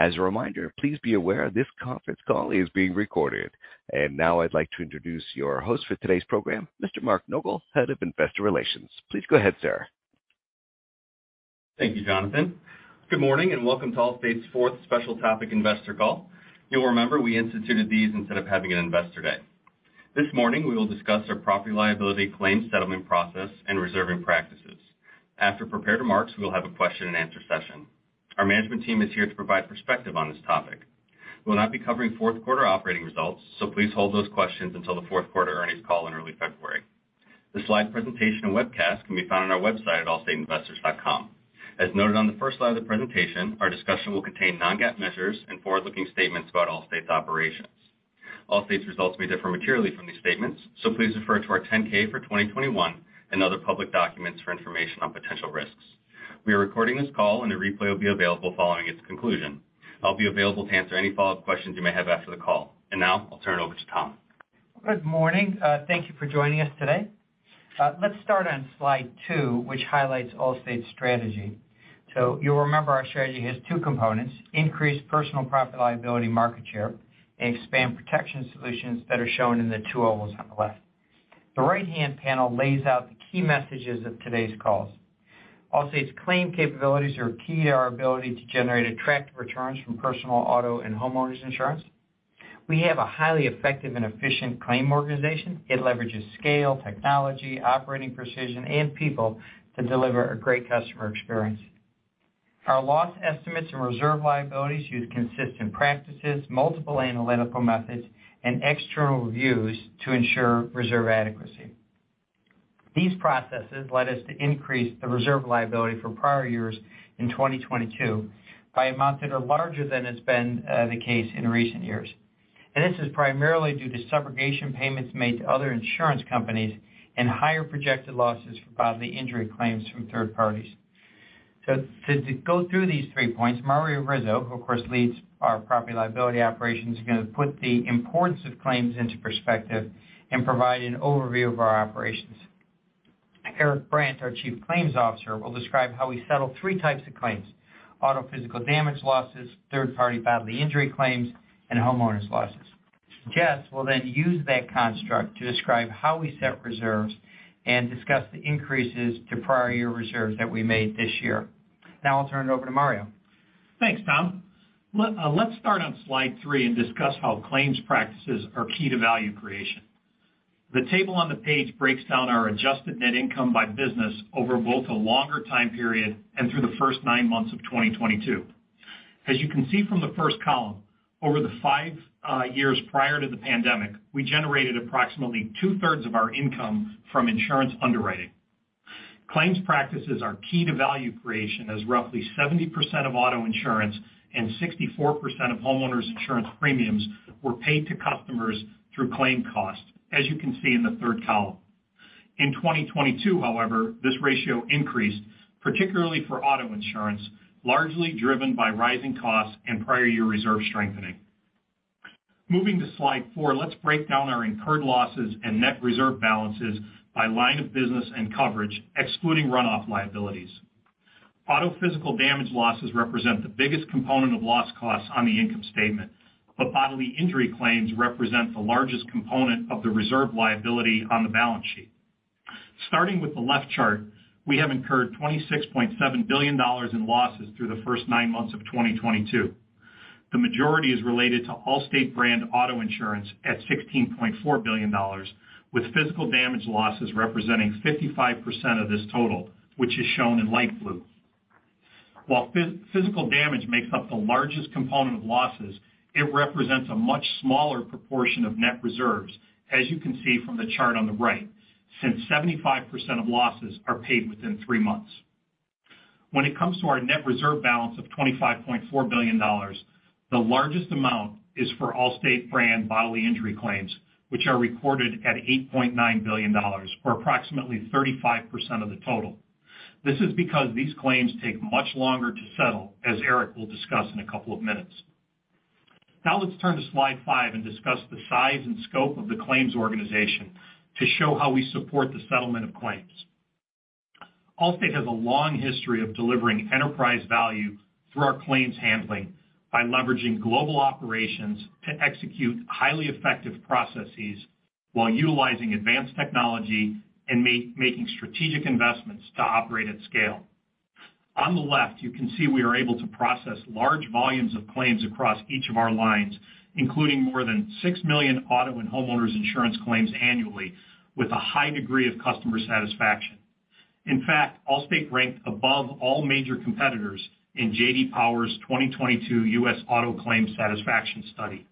As a reminder, please be aware this conference call is being recorded. Now I'd like to introduce your host for today's program, Mr. Mark Nogal, Head of Investor Relations. Please go ahead, sir. Thank you, Jonathan. Good morning. Welcome to Allstate's 4th special topic investor call. You'll remember we instituted these instead of having an Investor Day. This morning, we will discuss our property liability claim settlement process and reserving practices. After prepared remarks, we will have a question-and-answer session. Our management team is here to provide perspective on this topic. We'll not be covering 4th quarter operating results. Please hold those questions until the 4th quarter earnings call in early February. The slide presentation and webcast can be found on our website at allstateinvestors.com. As noted on the 1st slide of the presentation, our discussion will contain non-GAAP measures and forward-looking statements about Allstate's operations. Allstate's results may differ materially from these statements. Please refer to our 10-K for 2021 and other public documents for information on potential risks. We are recording this call and a replay will be available following its conclusion. I'll be available to answer any follow-up questions you may have after the call. Now I'll turn it over to Tom. Good morning. Thank you for joining us today. Let's start on slide 2, which highlights Allstate's strategy. You'll remember our strategy has 2 components, increase personal profit liability market share and expand protection solutions that are shown in the 2 ovals on the left. The right-hand panel lays out the key messages of today's calls. Allstate's claim capabilities are key to our ability to generate attractive returns from personal auto and homeowners insurance. We have a highly effective and efficient claim organization. It leverages scale, technology, operating precision, and people to deliver a great customer experience. Our loss estimates and reserve liabilities use consistent practices, multiple analytical methods, and external reviews to ensure reserve adequacy. These processes led us to increase the reserve liability for prior years in 2022 by amounts that are larger than has been the case in recent years. This is primarily due to subrogation payments made to other insurance companies and higher projected losses for bodily injury claims from third parties. To go through these three points, Mario Rizzo, who of course leads our property liability operations, is gonna put the importance of claims into perspective and provide an overview of our operations. Eric Brandt, our Chief Claims Officer, will describe how we settle three types of claims, auto physical damage losses, third-party bodily injury claims, and homeowners' losses. Jess will use that construct to describe how we set reserves and discuss the increases to prior year reserves that we made this year. Now I'll turn it over to Mario. Thanks, Tom. Let's start on slide 3 and discuss how claims practices are key to value creation. The table on the page breaks down our adjusted net income by business over both a longer time period and through the first nine months of 2022. As you can see from the first column, over the 5 years prior to the pandemic, we generated approximately 2/3 of our income from insurance underwriting. Claims practices are key to value creation, as roughly 70% of auto insurance and 64% of homeowners' insurance premiums were paid to customers through claim costs, as you can see in the third column. In 2022, however, this ratio increased, particularly for auto insurance, largely driven by rising costs and prior year reserve strengthening. Moving to slide 4, let's break down our incurred losses and net reserve balances by line of business and coverage, excluding runoff liabilities. Auto physical damage losses represent the biggest component of loss costs on the income statement, but bodily injury claims represent the largest component of the reserve liability on the balance sheet. Starting with the left chart, we have incurred $26.7 billion in losses through the first nine months of 2022. The majority is related to Allstate brand auto insurance at $16.4 billion, with physical damage losses representing 55% of this total, which is shown in light blue. While physical damage makes up the largest component of losses, it represents a much smaller proportion of net reserves, as you can see from the chart on the right, since 75% of losses are paid within three months. When it comes to our net reserve balance of $25.4 billion, the largest amount is for Allstate brand bodily injury claims, which are recorded at $8.9 billion or approximately 35% of the total. This is because these claims take much longer to settle, as Eric will discuss in a couple of minutes. Let's turn to slide 5 and discuss the size and scope of the claims organization to show how we support the settlement of claims. Allstate has a long history of delivering enterprise value through our claims handling by leveraging global operations to execute highly effective processes while utilizing advanced technology and making strategic investments to operate at scale. On the left, you can see we are able to process large volumes of claims across each of our lines, including more than 6 million auto and homeowners insurance claims annually with a high degree of customer satisfaction. In fact, Allstate ranked above all major competitors in J.D. Power's 2022 U.S. Auto Claim Satisfaction Study.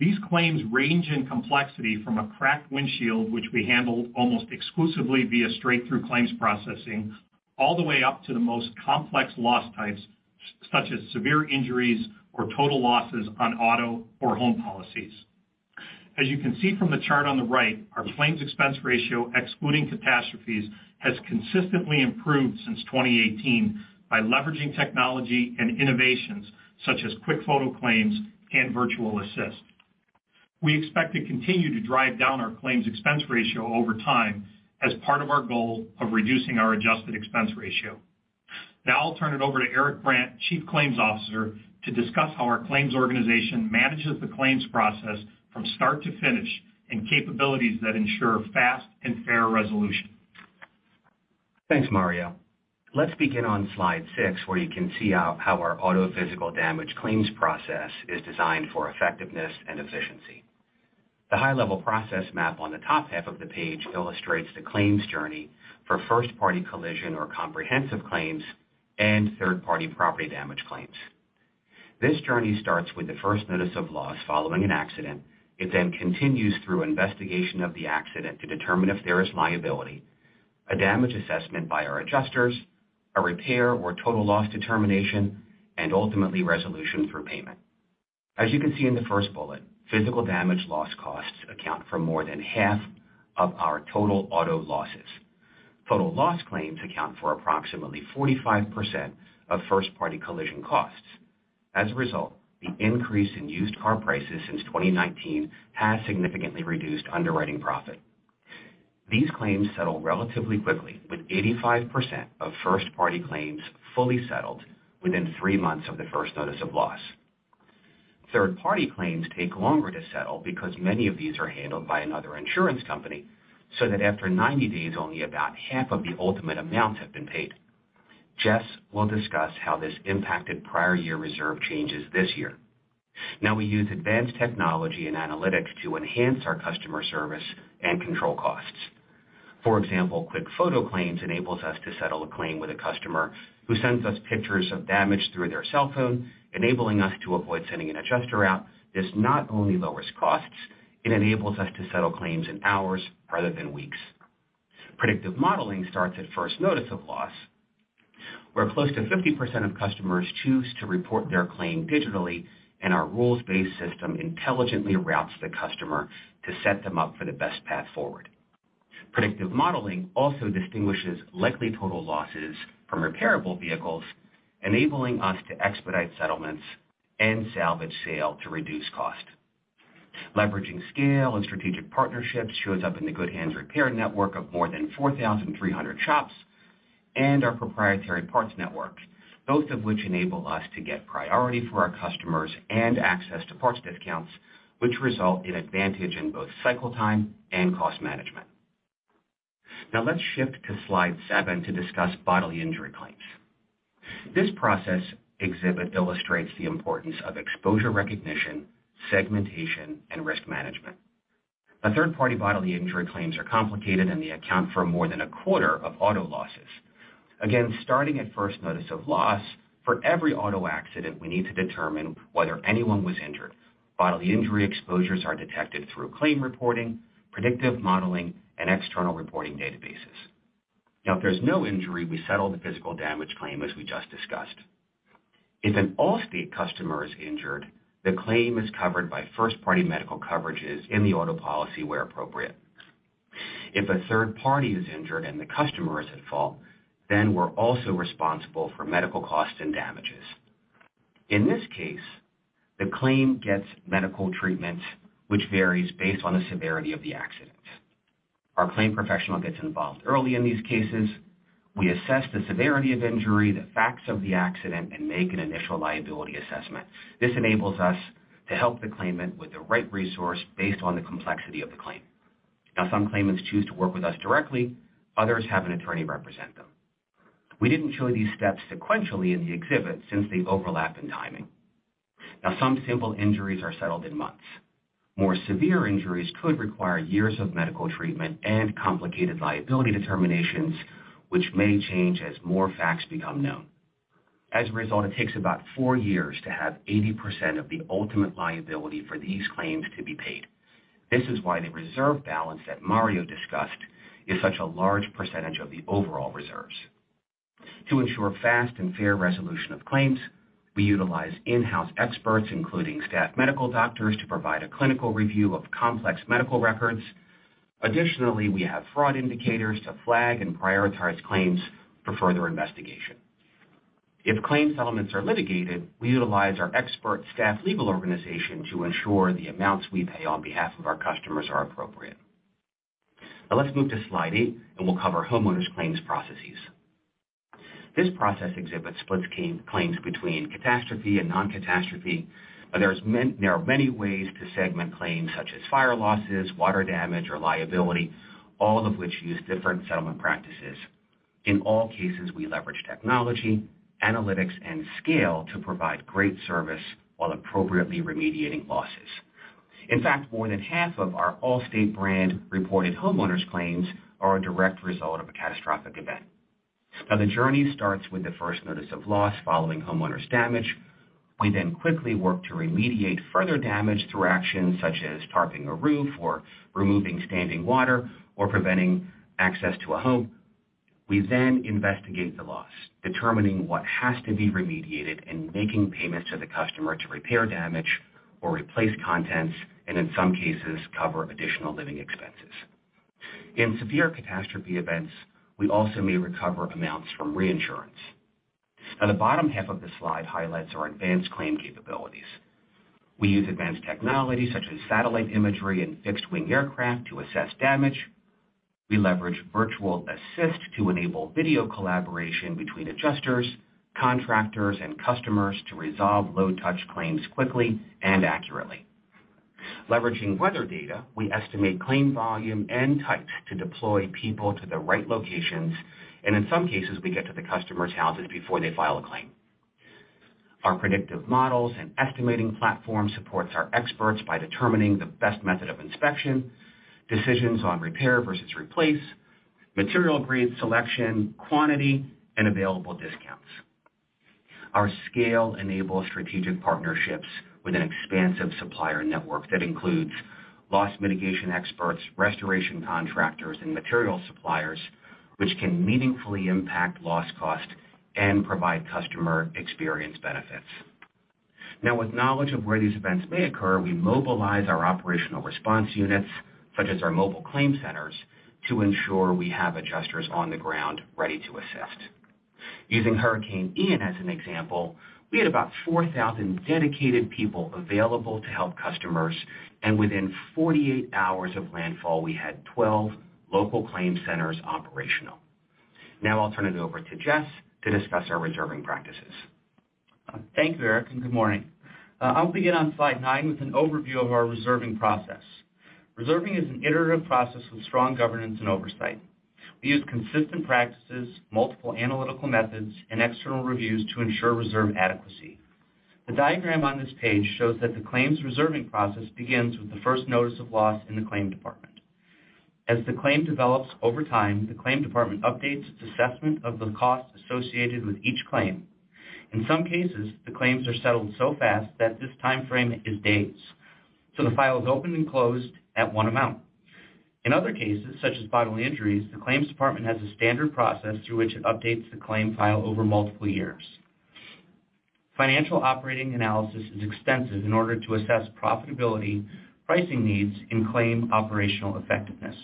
These claims range in complexity from a cracked windshield, which we handle almost exclusively via straight-through claims processing, all the way up to the most complex loss types, such as severe injuries or total losses on auto or home policies. As you can see from the chart on the right, our claims expense ratio, excluding catastrophes, has consistently improved since 2018 by leveraging technology and innovations such as QuickFoto Claim and Virtual Assist. We expect to continue to drive down our claims expense ratio over time as part of our goal of reducing our adjusted expense ratio. I'll turn it over to Eric Brandt, Chief Claims Officer, to discuss how our claims organization manages the claims process from start to finish and capabilities that ensure fast and fair resolution. Thanks, Mario. Let's begin on slide 6, where you can see how our auto physical damage claims process is designed for effectiveness and efficiency. The high-level process map on the top half of the page illustrates the claims journey for first-party collision or comprehensive claims and third-party property damage claims. This journey starts with the first notice of loss following an accident. It continues through investigation of the accident to determine if there is liability, a damage assessment by our adjusters, a repair or total loss determination, and ultimately resolution through payment. As you can see in the first bullet, physical damage loss costs account for more than half of our total auto losses. Total loss claims account for approximately 45% of first-party collision costs. As a result, the increase in used car prices since 2019 has significantly reduced underwriting profit. These claims settle relatively quickly, with 85% of first-party claims fully settled within 3 months of the first notice of loss. Third-party claims take longer to settle because many of these are handled by another insurance company, so that after 90 days, only about half of the ultimate amounts have been paid. Jess will discuss how this impacted prior year reserve changes this year. We use advanced technology and analytics to enhance our customer service and control costs. For example, QuickFoto Claim enables us to settle a claim with a customer who sends us pictures of damage through their cell phone, enabling us to avoid sending an adjuster out. This not only lowers costs, it enables us to settle claims in hours rather than weeks. Predictive modeling starts at first notice of loss, where close to 50% of customers choose to report their claim digitally. Our rules-based system intelligently routes the customer to set them up for the best path forward. Predictive modeling also distinguishes likely total losses from repairable vehicles, enabling us to expedite settlements and salvage sale to reduce cost. Leveraging scale and strategic partnerships shows up in the Good Hands Repair network of more than 4,300 shops and our proprietary parts network, both of which enable us to get priority for our customers and access to parts discounts, which result in advantage in both cycle time and cost management. Let's shift to slide 7 to discuss bodily injury claims. This process exhibit illustrates the importance of exposure recognition, segmentation, and risk management. A third-party bodily injury claims are complicated and they account for more than a quarter of auto losses. Again, starting at first notice of loss, for every auto accident, we need to determine whether anyone was injured. Bodily injury exposures are detected through claim reporting, predictive modeling, and external reporting databases. Now, if there's no injury, we settle the physical damage claim as we just discussed. If an Allstate customer is injured, the claim is covered by first-party medical coverages in the auto policy where appropriate. If a third party is injured and the customer is at fault, then we're also responsible for medical costs and damages. In this case, the claim gets medical treatment, which varies based on the severity of the accident. Our claim professional gets involved early in these cases. We assess the severity of injury, the facts of the accident, and make an initial liability assessment. This enables us to help the claimant with the right resource based on the complexity of the claim. Some claimants choose to work with us directly. Others have an attorney represent them. We didn't show these steps sequentially in the exhibit since they overlap in timing. Some simple injuries are settled in months. More severe injuries could require years of medical treatment and complicated liability determinations, which may change as more facts become known. As a result, it takes about four years to have 80% of the ultimate liability for these claims to be paid. This is why the reserve balance that Mario discussed is such a large percentage of the overall reserves. To ensure fast and fair resolution of claims, we utilize in-house experts, including staff medical doctors, to provide a clinical review of complex medical records. We have fraud indicators to flag and prioritize claims for further investigation. If claim settlements are litigated, we utilize our expert staff legal organization to ensure the amounts we pay on behalf of our customers are appropriate. Let's move to slide 8, and we'll cover homeowners' claims processes. This process exhibit splits claims between catastrophe and non-catastrophe, there are many ways to segment claims, such as fire losses, water damage, or liability, all of which use different settlement practices. In all cases, we leverage technology, analytics, and scale to provide great service while appropriately remediating losses. In fact, more than half of our Allstate brand-reported homeowners claims are a direct result of a catastrophic event. The journey starts with the first notice of loss following homeowners damage. We then quickly work to remediate further damage through actions such as tarping a roof or removing standing water or preventing access to a home. We then investigate the loss, determining what has to be remediated and making payments to the customer to repair damage or replace contents, and in some cases, cover additional living expenses. In severe catastrophe events, we also may recover amounts from reinsurance. The bottom half of the slide highlights our advanced claim capabilities. We use advanced technology such as satellite imagery and fixed-wing aircraft to assess damage. We leverage Virtual Assist to enable video collaboration between adjusters, contractors, and customers to resolve low touch claims quickly and accurately. Leveraging weather data, we estimate claim volume and type to deploy people to the right locations, and in some cases, we get to the customers' houses before they file a claim. Our predictive models and estimating platform supports our experts by determining the best method of inspection, decisions on repair versus replace, material grade selection, quantity, and available discounts. Our scale enables strategic partnerships with an expansive supplier network that includes loss mitigation experts, restoration contractors, and material suppliers, which can meaningfully impact loss cost and provide customer experience benefits. With knowledge of where these events may occur, we mobilize our operational response units, such as our mobile claim centers, to ensure we have adjusters on the ground ready to assist. Using Hurricane Ian as an example, we had about 4,000 dedicated people available to help customers, within 48 hours of landfall, we had 12 local claim centers operational. I'll turn it over to Jess to discuss our reserving practices. Thank you, Eric, and good morning. I'll begin on slide 9 with an overview of our reserving process. Reserving is an iterative process with strong governance and oversight. We use consistent practices, multiple analytical methods, and external reviews to ensure reserve adequacy. The diagram on this page shows that the claims reserving process begins with the first notice of loss in the claim department. As the claim develops over time, the claim department updates its assessment of the costs associated with each claim. In some cases, the claims are settled so fast that this timeframe is days, so the file is opened and closed at one amount. In other cases, such as bodily injuries, the claims department has a standard process through which it updates the claim file over multiple years. Financial operating analysis is extensive in order to assess profitability, pricing needs, and claim operational effectiveness.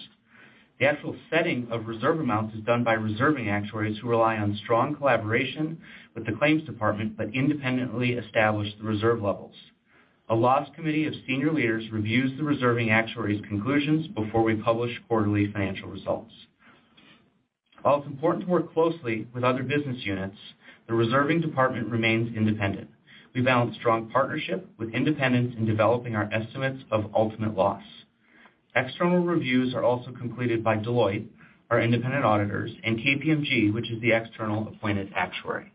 The actual setting of reserve amounts is done by reserving actuaries who rely on strong collaboration with the claims department, but independently establish the reserve levels. A loss committee of senior leaders reviews the reserving actuary's conclusions before we publish quarterly financial results. While it's important to work closely with other business units, the reserving department remains independent. We balance strong partnership with independence in developing our estimates of ultimate loss. External reviews are also completed by Deloitte, our independent auditors, and KPMG, which is the external appointed actuary.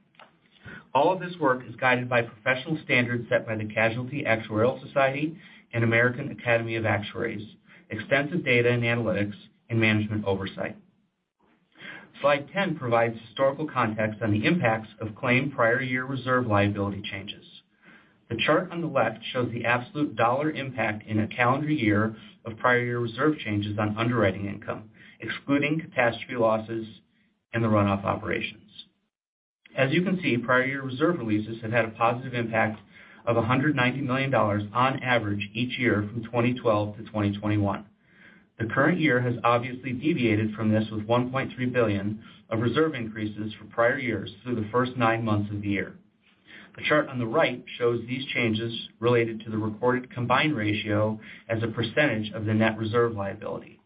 All of this work is guided by professional standards set by the Casualty Actuarial Society and American Academy of Actuaries, extensive data and analytics, and management oversight. Slide 10 provides historical context on the impacts of claim prior year reserve liability changes. The chart on the left shows the absolute dollar impact in a calendar year of prior year reserve changes on underwriting income, excluding catastrophe losses and the runoff operations. As you can see, prior year reserve releases have had a positive impact of $190 million on average each year from 2012 to 2021. The current year has obviously deviated from this with $1.3 billion of reserve increases for prior years through the first nine months of the year. The chart on the right shows these changes related to the reported combined ratio as a percentage of the net reserve liability.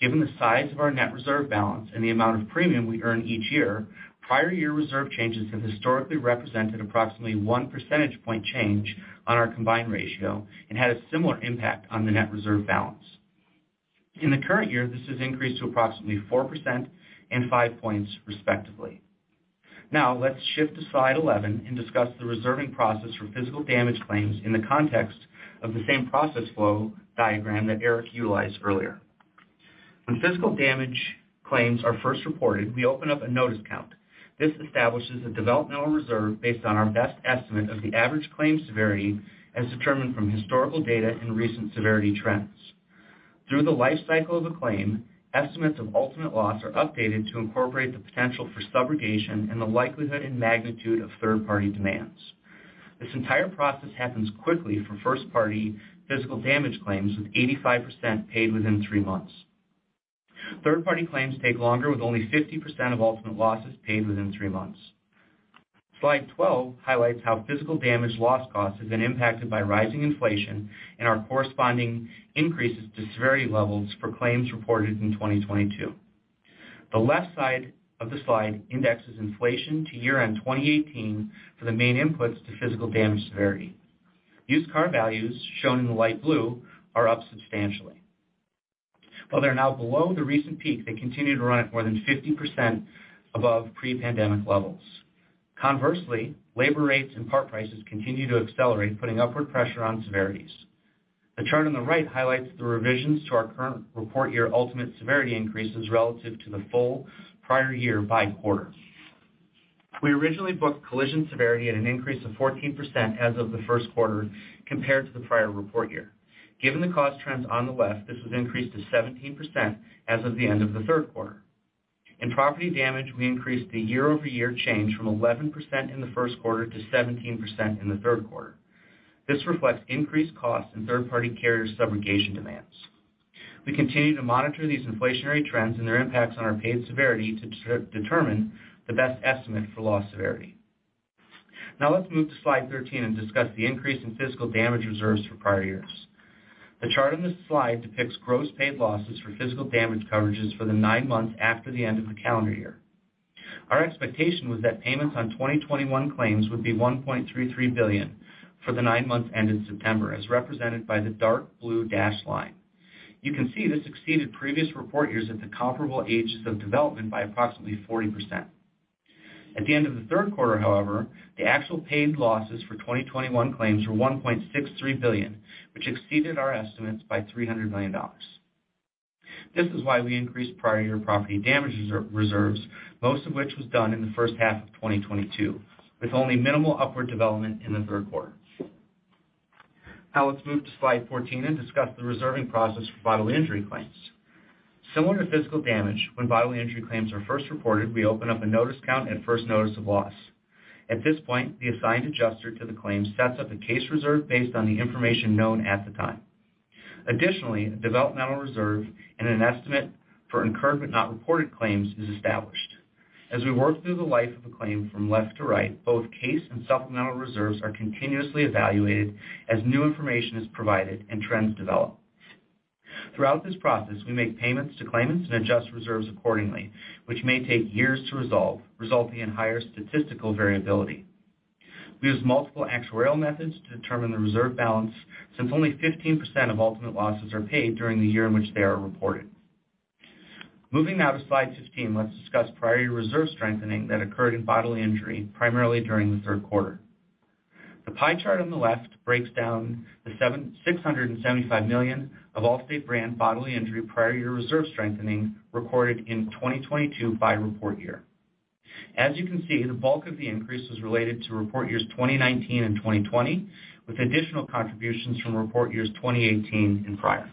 Given the size of our net reserve balance and the amount of premium we earn each year, prior year reserve changes have historically represented approximately 1 percentage point change on our combined ratio and had a similar impact on the net reserve balance. In the current year, this has increased to approximately 4% and 5 points respectively. Now let's shift to slide 11 and discuss the reserving process for physical damage claims in the context of the same process flow diagram that Eric utilized earlier. When physical damage claims are first reported, we open up a notice count. This establishes a developmental reserve based on our best estimate of the average claim severity as determined from historical data and recent severity trends. Through the life cycle of a claim, estimates of ultimate loss are updated to incorporate the potential for subrogation and the likelihood and magnitude of third-party demands. This entire process happens quickly for first-party physical damage claims, with 85% paid within three months. Third-party claims take longer, with only 50% of ultimate losses paid within three months. Slide 12 highlights how physical damage loss cost has been impacted by rising inflation and our corresponding increases to severity levels for claims reported in 2022. The left side of the slide indexes inflation to year-end 2018 for the main inputs to physical damage severity. Used car values, shown in the light blue, are up substantially. While they're now below the recent peak, they continue to run at more than 50% above pre-pandemic levels. Conversely, labor rates and part prices continue to accelerate, putting upward pressure on severities. The chart on the right highlights the revisions to our current report year ultimate severity increases relative to the full prior year by quarter. We originally booked collision severity at an increase of 14% as of the first quarter compared to the prior report year. Given the cost trends on the left, this has increased to 17% as of the end of the third quarter. In property damage, we increased the year-over-year change from 11% in the first quarter to 17% in the third quarter. This reflects increased costs in third-party carrier subrogation demands. We continue to monitor these inflationary trends and their impacts on our paid severity to determine the best estimate for loss severity. Now let's move to slide 13 and discuss the increase in physical damage reserves for prior years. The chart on this slide depicts gross paid losses for physical damage coverages for the 9 months after the end of the calendar year. Our expectation was that payments on 2021 claims would be $1.33 billion for the nine months ended September, as represented by the dark blue dashed line. You can see this exceeded previous report years at the comparable ages of development by approximately 40%. At the end of the third quarter, however, the actual paid losses for 2021 claims were $1.63 billion, which exceeded our estimates by $300 million. This is why we increased prior year property damage reserves, most of which was done in the first half of 2022, with only minimal upward development in the third quarter. Let's move to slide 14 and discuss the reserving process for bodily injury claims. Similar to physical damage, when bodily injury claims are first reported, we open up a notice count at first notice of loss. At this point, the assigned adjuster to the claim sets up a case reserve based on the information known at the time. Additionally, a developmental reserve and an estimate for incurred but not reported claims is established. As we work through the life of a claim from left to right, both case and supplemental reserves are continuously evaluated as new information is provided and trends develop. Throughout this process, we make payments to claimants and adjust reserves accordingly, which may take years to resolve, resulting in higher statistical variability. We use multiple actuarial methods to determine the reserve balance, since only 15% of ultimate losses are paid during the year in which they are reported. Moving now to slide 15, let's discuss prior year reserve strengthening that occurred in bodily injury, primarily during the third quarter. The pie chart on the left breaks down the $675 million of Allstate brand bodily injury prior year reserve strengthening recorded in 2022 by report year. As you can see, the bulk of the increase was related to report years 2019 and 2020, with additional contributions from report years 2018 and prior.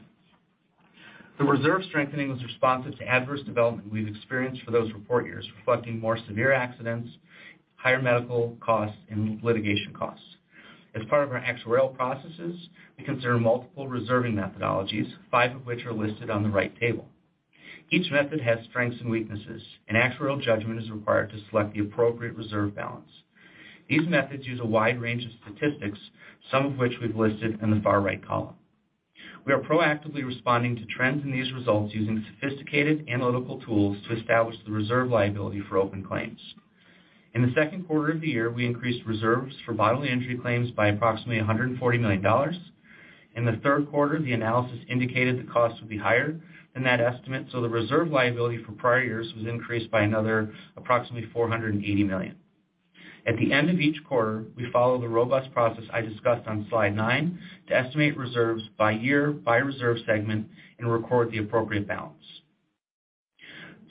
The reserve strengthening was responsive to adverse development we've experienced for those report years, reflecting more severe accidents, higher medical costs, and litigation costs. As part of our actuarial processes, we consider multiple reserving methodologies, five of which are listed on the right table. Each method has strengths and weaknesses, and actuarial judgment is required to select the appropriate reserve balance. These methods use a wide range of statistics, some of which we've listed in the far right column. We are proactively responding to trends in these results using sophisticated analytical tools to establish the reserve liability for open claims. In the second quarter of the year, we increased reserves for bodily injury claims by approximately $140 million. In the third quarter, the analysis indicated the cost would be higher than that estimate. The reserve liability for prior years was increased by another approximately $480 million. At the end of each quarter, we follow the robust process I discussed on slide nine to estimate reserves by year, by reserve segment, and record the appropriate balance.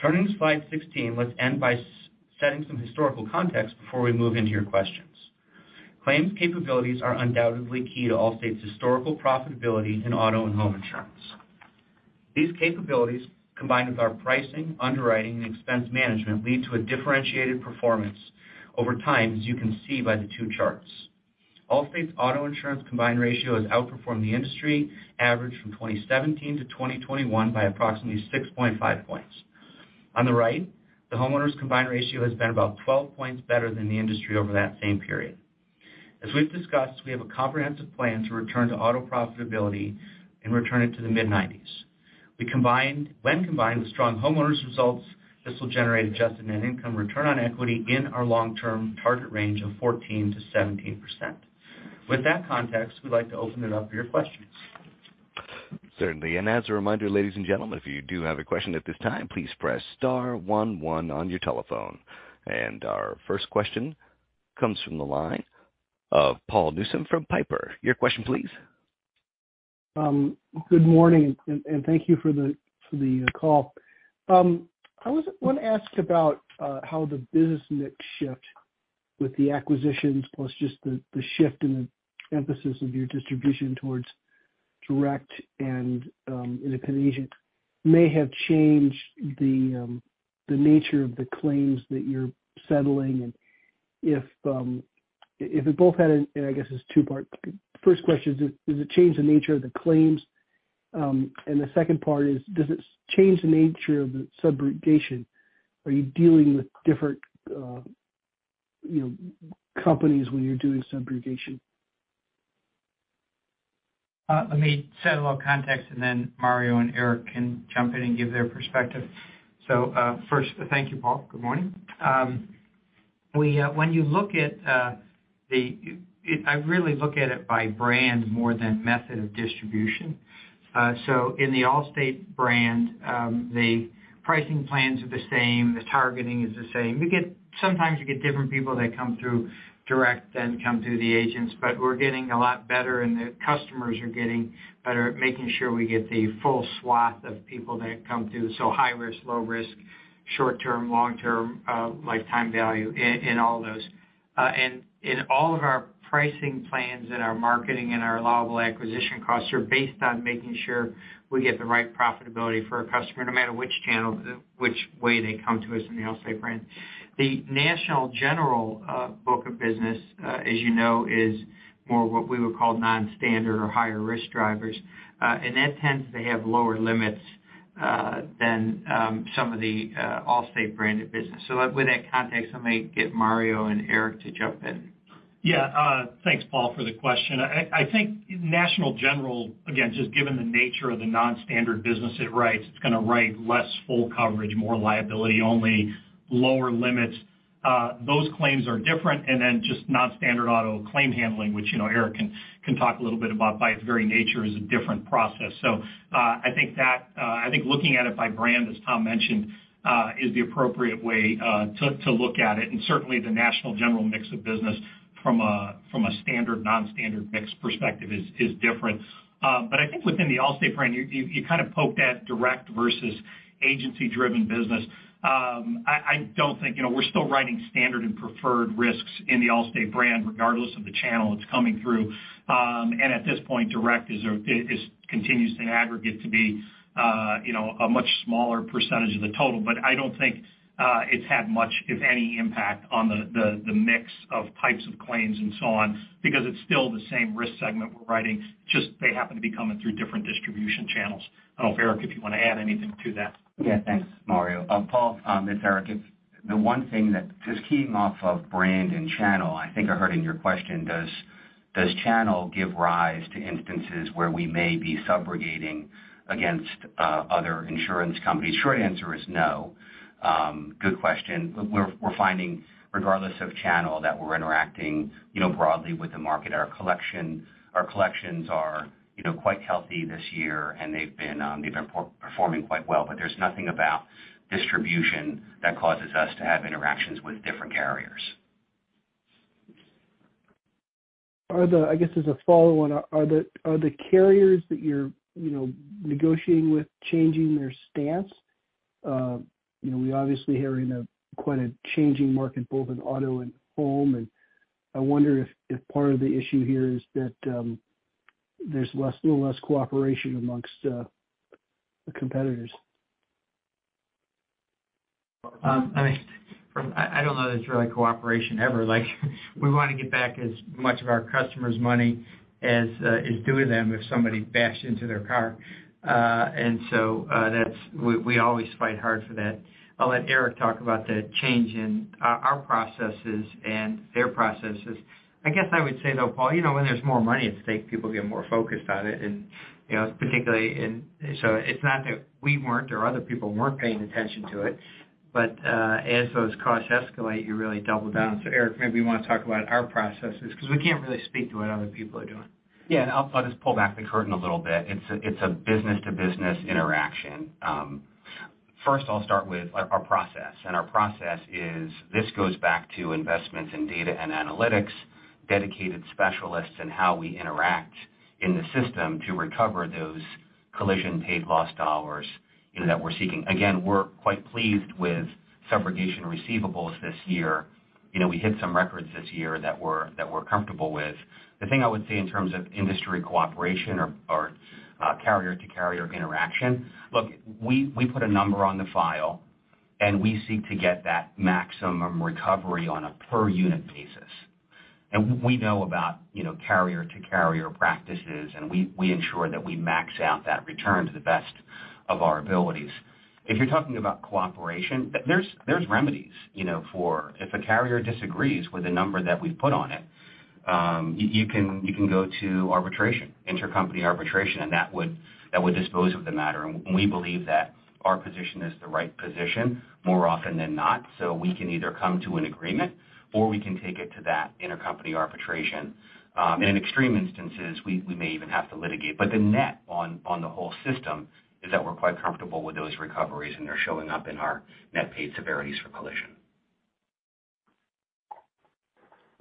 Turning to slide 16, let's end by setting some historical context before we move into your questions. Claims capabilities are undoubtedly key to Allstate's historical profitability in auto and home insurance. These capabilities, combined with our pricing, underwriting, and expense management, lead to a differentiated performance over time, as you can see by the two charts. Allstate's auto insurance combined ratio has outperformed the industry average from 2017 to 2021 by approximately 6.5 points. On the right, the homeowners combined ratio has been about 12 points better than the industry over that same period. As we've discussed, we have a comprehensive plan to return to auto profitability and return it to the mid-90s. When combined with strong homeowners results, this will generate adjusted net income return on equity in our long-term target range of 14%-17%. With that context, we'd like to open it up for your questions. Certainly. As a reminder, ladies and gentlemen, if you do have a question at this time, please press star one one on your telephone. Our first question comes from the line of Paul Newsome from Piper. Your question, please. Good morning, and thank you for the call. I wanna ask about how the business mix shift with the acquisitions plus just the shift in the emphasis of your distribution towards direct and independent agents may have changed the nature of the claims that you're settling. If it both and I guess it's two-part. First question, does it change the nature of the claims? The second part is, does it change the nature of the subrogation? Are you dealing with different, you know, companies when you're doing subrogation? Let me set a little context, and then Mario and Eric can jump in and give their perspective. First, thank you, Paul. Good morning. We, when you look at, I really look at it by brand more than method of distribution. In the Allstate brand, the pricing plans are the same, the targeting is the same. Sometimes you get different people that come through direct than come through the agents, but we're getting a lot better, and the customers are getting better at making sure we get the full swath of people that come through, so high risk, low risk, short-term, long-term, lifetime value in all of those. All of our pricing plans and our marketing and our allowable acquisition costs are based on making sure we get the right profitability for our customer no matter which channel, which way they come to us in the Allstate brand. The National General book of business, as you know, is more what we would call non-standard or higher risk drivers. That tends to have lower limits than some of the Allstate branded business. With that context, I may get Mario and Eric to jump in. Yeah. Thanks, Paul, for the question. I think National General, again, just given the nature of the non-standard business it writes, it's gonna write less full coverage, more liability only, lower limits. Those claims are different. Then just non-standard auto claim handling, which, you know, Eric can talk a little bit about by its very nature is a different process. I think that I think looking at it by brand, as Tom mentioned, is the appropriate way to look at it. Certainly, the National General mix of business from a standard/non-standard mix perspective is different. But I think within the Allstate brand, you kind of poked at direct versus agency-driven business. I don't think... You know, we're still writing standard and preferred risks in the Allstate brand, regardless of the channel it's coming through. At this point, direct is continues to aggregate to be, you know, a much smaller percentage of the total. I don't think it's had much, if any, impact on the, the mix of types of claims and so on because it's still the same risk segment we're writing, just they happen to be coming through different distribution channels. I don't know, Eric, if you wanna add anything to that. Yeah. Thanks, Mario. Paul, it's Eric. The one thing that, just keying off of brand and channel, I think I heard in your question, does channel give rise to instances where we may be subrogating against other insurance companies? Short answer is no. Good question. We're finding regardless of channel that we're interacting, you know, broadly with the market. Our collections are, you know, quite healthy this year, and they've been performing quite well. There's nothing about distribution that causes us to have interactions with different carriers. I guess as a follow-on, are the carriers that you're, you know, negotiating with changing their stance? You know, we obviously are in a quite a changing market both in auto and home, and I wonder if part of the issue here is that there's little less cooperation amongst the competitors. I mean, I don't know there's really cooperation ever. Like we wanna get back as much of our customers' money as is due to them if somebody bashed into their car. We always fight hard for that. I'll let Eric talk about the change in our processes and their processes. I guess I would say, though, Paul, you know, when there's more money at stake, people get more focused on it and, you know, particularly in... It's not that we weren't or other people weren't paying attention to it, but as those costs escalate, you really double down. Eric, maybe you wanna talk about our processes 'cause we can't really speak to what other people are doing. Yeah. I'll just pull back the curtain a little bit. It's a business-to-business interaction. First I'll start with our process. Our process is this goes back to investments in data and analytics, dedicated specialists in how we interact in the system to recover those collision paid loss dollars, you know, that we're seeking. Again, we're quite pleased with subrogation receivables this year. You know, we hit some records this year that we're comfortable with. The thing I would say in terms of industry cooperation or carrier-to-carrier interaction, look, we put a number on the file, and we seek to get that maximum recovery on a per unit basis. We know about, you know, carrier-to-carrier practices, and we ensure that we max out that return to the best of our abilities. If you're talking about cooperation, there's remedies, you know, for if a carrier disagrees with the number that we've put on it, you can go to arbitration, intercompany arbitration, that would dispose of the matter. We believe that our position is the right position more often than not. We can either come to an agreement or we can take it to that intercompany arbitration. In extreme instances, we may even have to litigate. The net on the whole system is that we're quite comfortable with those recoveries, and they're showing up in our net paid severities for collision.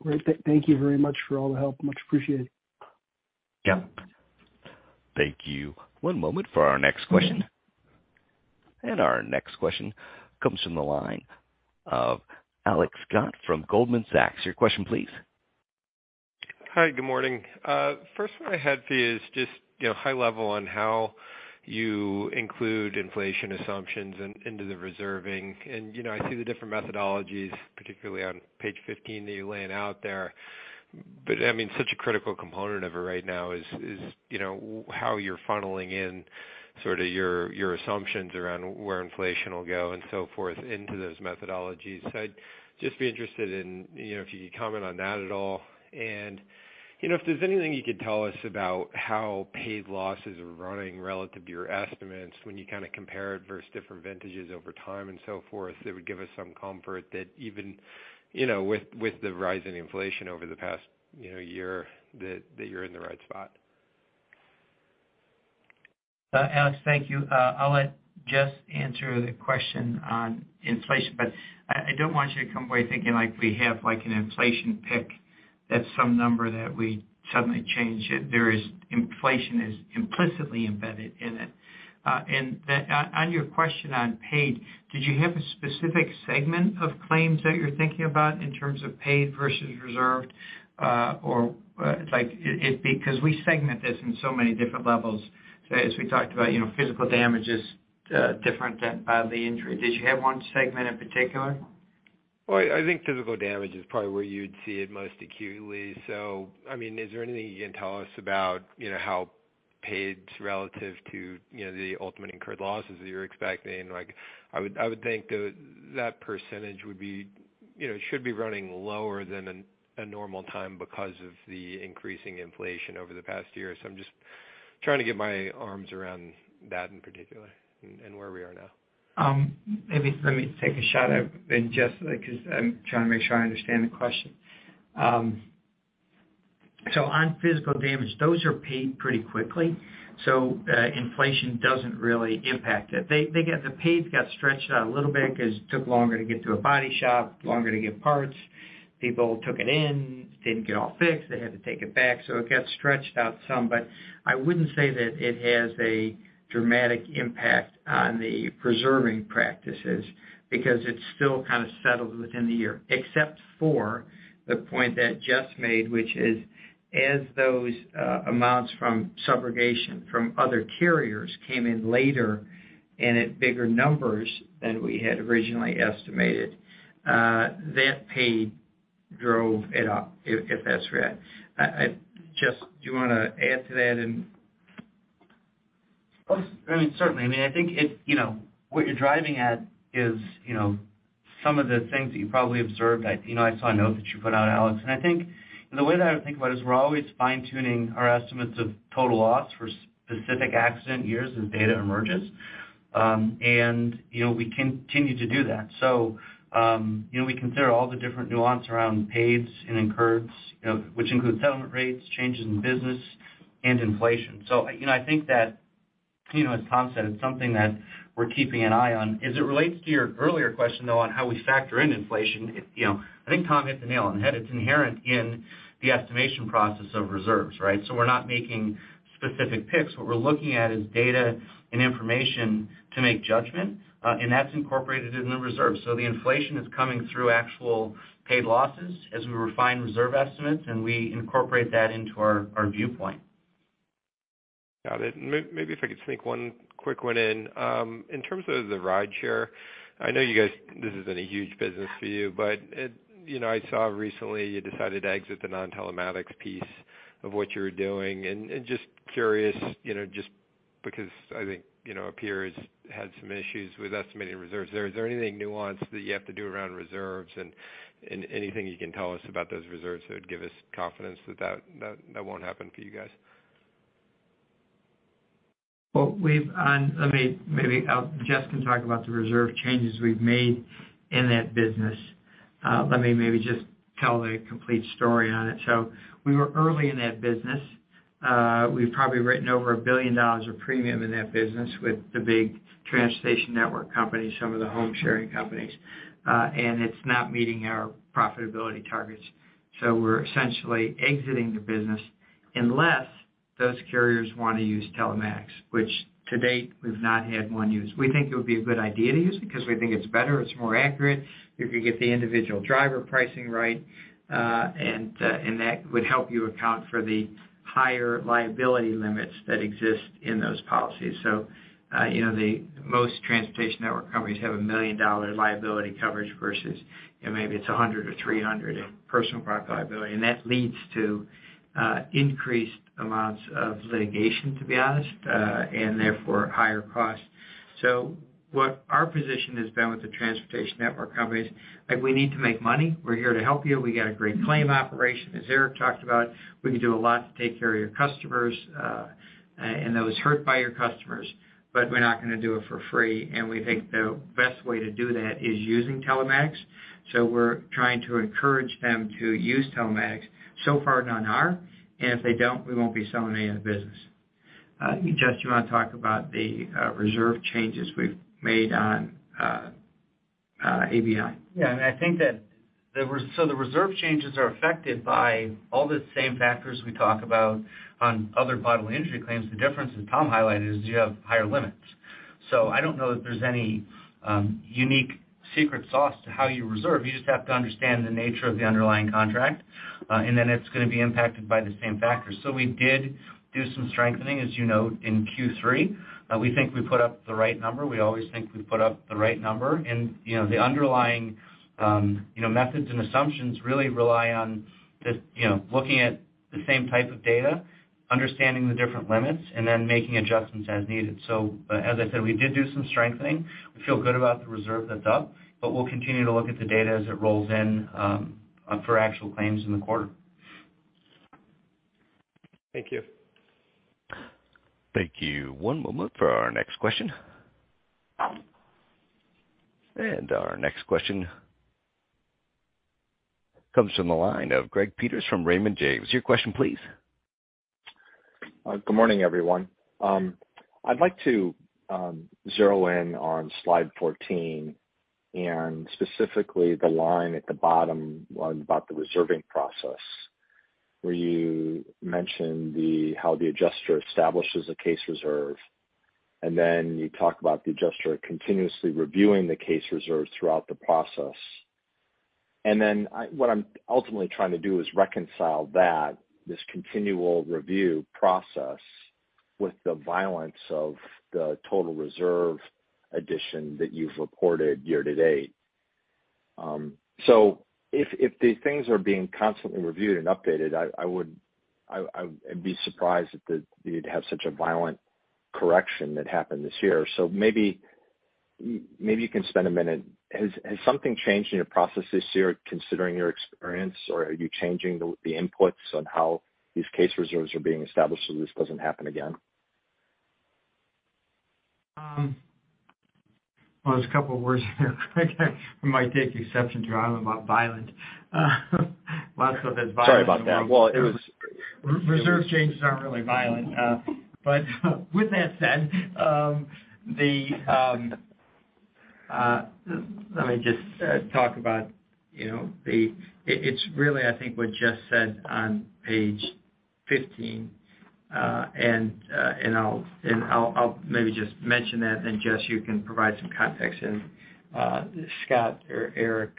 Great. Thank you very much for all the help. Much appreciated. Yep. Thank you. One moment for our next question. Our next question comes from the line of Alex Scott from Goldman Sachs. Your question please. Hi. Good morning. First one I had for you is just, you know, high level on how you include inflation assumptions into the reserving. You know, I see the different methodologies, particularly on page 15 that you're laying out there. I mean, such a critical component of it right now is, you know, how you're funneling in sort of your assumptions around where inflation will go and so forth into those methodologies. I'd just be interested in, you know, if you could comment on that at all. you know, if there's anything you could tell us about how paid losses are running relative to your estimates when you kinda compare it versus different vintages over time and so forth, that would give us some comfort that even, you know, with the rise in inflation over the past, you know, year that you're in the right spot. Alex, thank you. I'll let Jess answer the question on inflation, but I don't want you to come away thinking like we have like an inflation pick. That's some number that we suddenly changed. Inflation is implicitly embedded in it. On your question on paid, did you have a specific segment of claims that you're thinking about in terms of paid versus reserved? Or like, because we segment this in so many different levels. As we talked about, you know, physical damage is different than bodily injury. Did you have one segment in particular? Well, I think physical damage is probably where you'd see it most acutely. I mean, is there anything you can tell us about, you know, how paid relative to, you know, the ultimate incurred losses that you're expecting? I would think that that percentage would be, you know, should be running lower than a normal time because of the increasing inflation over the past year. I'm just trying to get my arms around that in particular and where we are now. Maybe let me take a shot at it, Jess, like, 'cause I'm trying to make sure I understand the question. On physical damage, those are paid pretty quickly, so inflation doesn't really impact it. The paid got stretched out a little bit because it took longer to get to a body shop, longer to get parts. People took it in, didn't get all fixed, they had to take it back, so it got stretched out some. I wouldn't say that it has a dramatic impact on the preserving practices because it's still kind of settled within the year, except for the point that Jess made, which is, as those amounts from subrogation from other carriers came in later and at bigger numbers than we had originally estimated, that paid drove it up, if that's right. Jess, do you wanna add to that and... Well, I mean, certainly. I mean, I think it's, you know, what you're driving at is, you know, some of the things that you probably observed. I, you know, I saw a note that you put out, Alex. I think the way that I would think about it is we're always fine-tuning our estimates of total loss for specific accident years as data emerges. You know, we continue to do that. You know, we consider all the different nuance around paid and incurred, you know, which includes settlement rates, changes in business, and inflation. You know, I think that, you know, as Tom said, it's something that we're keeping an eye on. As it relates to your earlier question, though, on how we factor in inflation, I think Tom hit the nail on the head. It's inherent in the estimation process of reserves, right? We're not making specific picks. What we're looking at is data and information to make judgment, and that's incorporated in the reserves. The inflation is coming through actual paid losses as we refine reserve estimates, and we incorporate that into our viewpoint. Got it. Maybe if I could sneak one quick one in. In terms of the rideshare, I know you guys, this isn't a huge business for you, but, it, you know, I saw recently you decided to exit the non-telematics piece of what you were doing. Just curious, you know, just because I think, you know, appears had some issues with estimating reserves there. Is there anything nuanced that you have to do around reserves? Anything you can tell us about those reserves that would give us confidence that, that won't happen for you guys? Well, Jess can talk about the reserve changes we've made in that business. Let me maybe just tell the complete story on it. We were early in that business. We've probably written over $1 billion of premium in that business with the big transportation network companies, some of the home-sharing companies. It's not meeting our profitability targets, so we're essentially exiting the business unless those carriers wanna use telematics, which to date we've not had one use. We think it would be a good idea to use because we think it's better, it's more accurate. You could get the individual driver pricing right, and that would help you account for the higher liability limits that exist in those policies. You know, the most transportation network companies have $1 million liability coverage versus, you know, maybe it's $100 or $300 in personal product liability, and that leads to increased amounts of litigation, to be honest, and therefore higher costs. What our position has been with the transportation network companies, like, we need to make money. We're here to help you. We got a great claim operation, as Eric talked about. We can do a lot to take care of your customers, and those hurt by your customers, but we're not gonna do it for free. We think the best way to do that is using telematics. We're trying to encourage them to use telematics. Far none are, and if they don't, we won't be selling any of the business. Jess, you wanna talk about the reserve changes we've made on ABI? Yeah. I think that the reserve changes are affected by all the same factors we talk about on other bodily injury claims. The difference that Tom highlighted is you have higher limits. I don't know that there's any unique secret sauce to how you reserve. You just have to understand the nature of the underlying contract, and then it's gonna be impacted by the same factors. We did do some strengthening, as you know, in Q3. We think we put up the right number. We always think we put up the right number. You know, the underlying, you know, methods and assumptions really rely on the, you know, looking at the same type of data, understanding the different limits, and then making adjustments as needed. As I said, we did do some strengthening. We feel good about the reserve that's up. We'll continue to look at the data as it rolls in for actual claims in the quarter. Thank you. Thank you. One moment for our next question. Our next question comes from the line of Greg Peters from Raymond James. Your question, please. Good morning, everyone. I'd like to zero in on slide 14 and specifically the line at the bottom about the reserving process, where you mention how the adjuster establishes a case reserve, and then you talk about the adjuster continuously reviewing the case reserve throughout the process. What I'm ultimately trying to do is reconcile that, this continual review process, with the violence of the total reserve addition that you've reported year-to-date. If the things are being constantly reviewed and updated, I'd be surprised that you'd have such a violent correction that happened this year. Maybe you can spend a minute. Has something changed in your process this year considering your experience, or are you changing the inputs on how these case reserves are being established so this doesn't happen again? Well, there's a couple of words there, Greg, I might take exception to about violent. Lots of it- Sorry about that. Well, Reserve changes aren't really violent. With that said, let me just talk about, you know, it's really, I think, what Jess said on page 15. I'll maybe just mention that, then Jess, you can provide some context. Scott or Eric,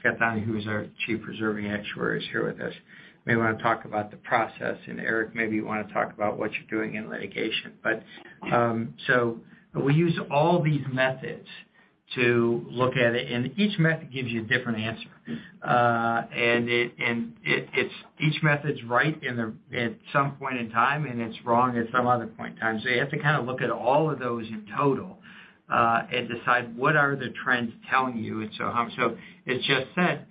Scott Downey, who is our Chief Reserving Actuary, is here with us. May wanna talk about the process, and Eric, maybe you wanna talk about what you're doing in litigation. We use all these methods to look at it, and each method gives you a different answer. It's each method's right at some point in time, and it's wrong at some other point in time. You have to kind of look at all of those in total, and decide what are the trends telling you. As Jess said,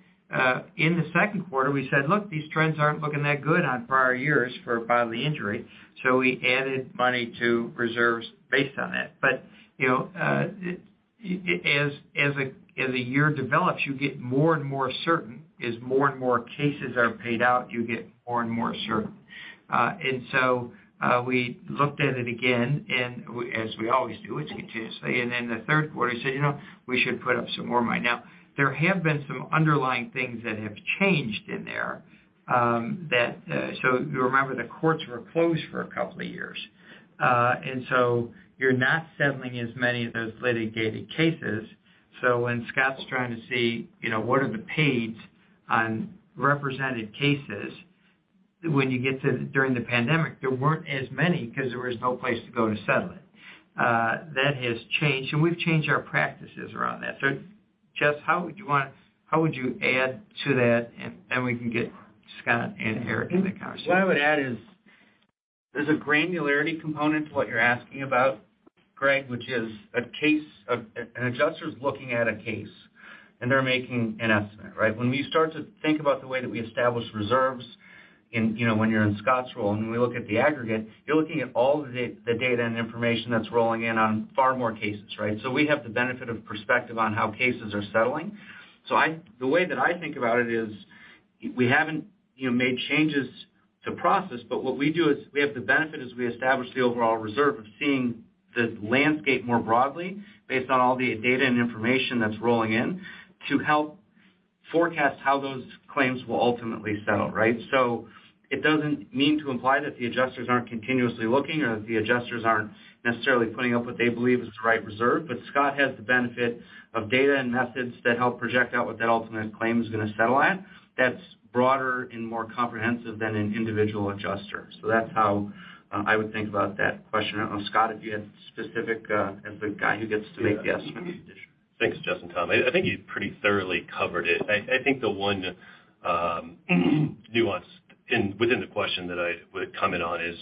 in the second quarter, we said, "Look, these trends aren't looking that good on prior years for auto bodily injury." We added money to reserves based on that. You know, as a year develops, you get more and more certain. As more and more cases are paid out, you get more and more certain. We looked at it again as we always do, it's continuously. In the third quarter, we said, "You know, we should put up some more money." Now, there have been some underlying things that have changed in there, that you remember the courts were closed for 2 years. You're not settling as many of those litigated cases. When Scott's trying to see, you know, what are the pays on represented cases, when you get to during the pandemic, there weren't as many 'cause there was no place to go to settle it. That has changed, and we've changed our practices around that. Jess, how would you add to that? And we can get Scott and Eric in the conversation. What I would add is there's a granularity component to what you're asking about, Greg, which is an adjuster's looking at a case, and they're making an estimate, right? When we start to think about the way that we establish reserves in, you know, when you're in Scott's role, and when we look at the aggregate, you're looking at all the data and information that's rolling in on far more cases, right? We have the benefit of perspective on how cases are settling. The way that I think about it is we haven't, you know, made changes to process, but what we do is we have the benefit as we establish the overall reserve of seeing the landscape more broadly based on all the data and information that's rolling in to help forecast how those claims will ultimately settle, right? It doesn't mean to imply that the adjusters aren't continuously looking or that the adjusters aren't necessarily putting up what they believe is the right reserve. Scott has the benefit of data and methods that help project out what that ultimate claim is gonna settle at, that's broader and more comprehensive than an individual adjuster. That's how I would think about that question. I don't know, Scott, if you had specific as the guy who gets to make the estimates? Yeah. Thanks, Jess and Tom. I think you pretty thoroughly covered it. I think the one nuance within the question that I would comment on is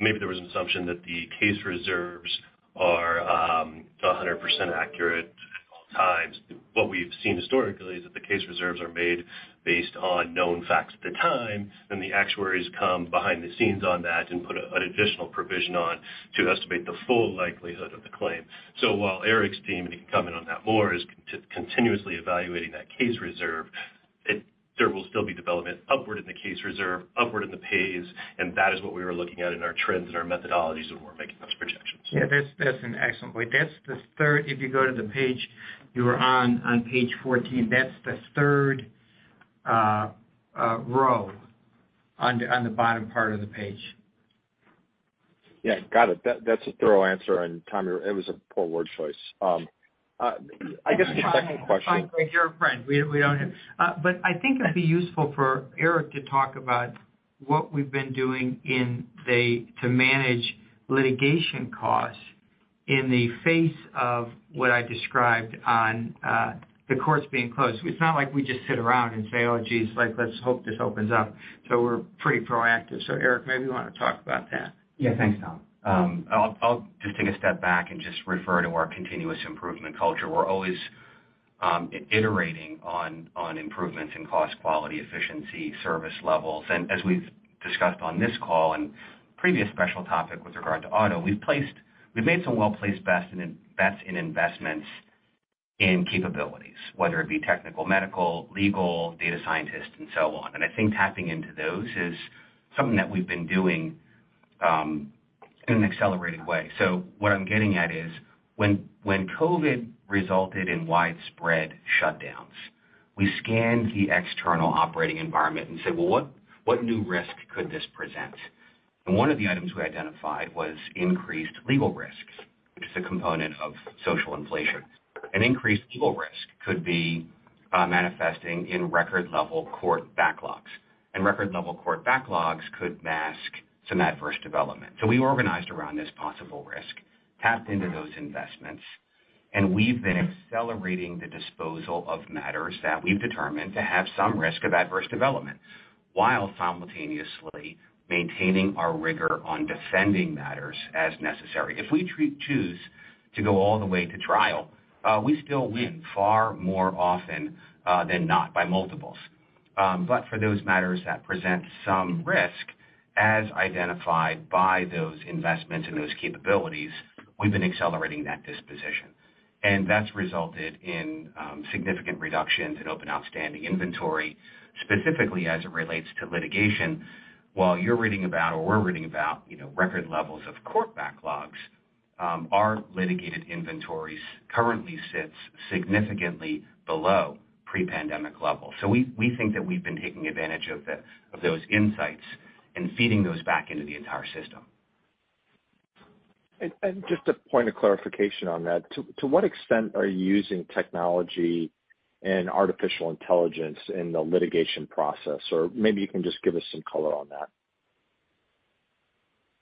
maybe there was an assumption that the case reserves are 100% accurate at all times. What we've seen historically is that the case reserves are made based on known facts at the time, then the actuaries come behind the scenes on that and put an additional provision on to estimate the full likelihood of the claim. While Eric's team, and he can comment on that more, is continuously evaluating that case reserve, there will still be development upward in the case reserve, upward in the pays, and that is what we were looking at in our trends and our methodologies when we're making those projections. Yeah, that's an excellent point. That's the third. If you go to the page you were on page 14, that's the third row on the bottom part of the page. Yeah, got it. That's a thorough answer. Tom, it was a poor word choice. I guess the second question. It's fine, Greg. You're a friend. We own it. I think it'd be useful for Eric to talk about what we've been doing to manage litigation costs in the face of what I described on the courts being closed. It's not like we just sit around and say, "Oh geez, like, let's hope this opens up." We're pretty proactive. Eric, maybe you wanna talk about that. Yeah. Thanks, Tom. I'll just take a step back and just refer to our continuous improvement culture. We're always iterating on improvements in cost, quality, efficiency, service levels. As we've discussed on this call and previous special topic with regard to auto, we've made some well-placed bets in investments in capabilities, whether it be technical, medical, legal, data scientists, and so on. I think tapping into those is something that we've been doing in an accelerated way. What I'm getting at is when COVID resulted in widespread shutdowns, we scanned the external operating environment and said, "Well, what new risk could this present?" One of the items we identified was increased legal risks, which is a component of social inflation. An increased legal risk could be manifesting in record level court backlogs, and record level court backlogs could mask some adverse development. We organized around this possible risk, tapped into those investments, and we've been accelerating the disposal of matters that we've determined to have some risk of adverse development while simultaneously maintaining our rigor on defending matters as necessary. If we choose to go all the way to trial, we still win far more often than not by multiples. For those matters that present some risk as identified by those investments and those capabilities, we've been accelerating that disposition. That's resulted in significant reductions in open outstanding inventory, specifically as it relates to litigation. While you're reading about or we're reading about, you know, record levels of court backlogs, our litigated inventories currently sits significantly below pre-pandemic levels. We think that we've been taking advantage of those insights and feeding those back into the entire system. Just a point of clarification on that. To what extent are you using technology and artificial intelligence in the litigation process? Maybe you can just give us some color on that.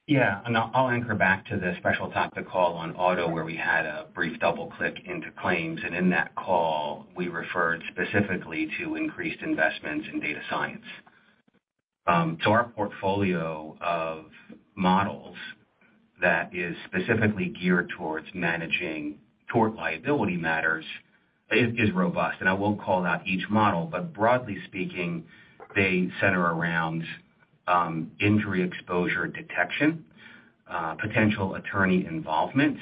Yeah. I'll anchor back to the special topic call on auto, where we had a brief double click into claims. In that call, we referred specifically to increased investments in data science. Our portfolio of models that is specifically geared towards managing tort liability matters is robust, and I won't call out each model. Broadly speaking, they center around, injury exposure detection, potential attorney involvement,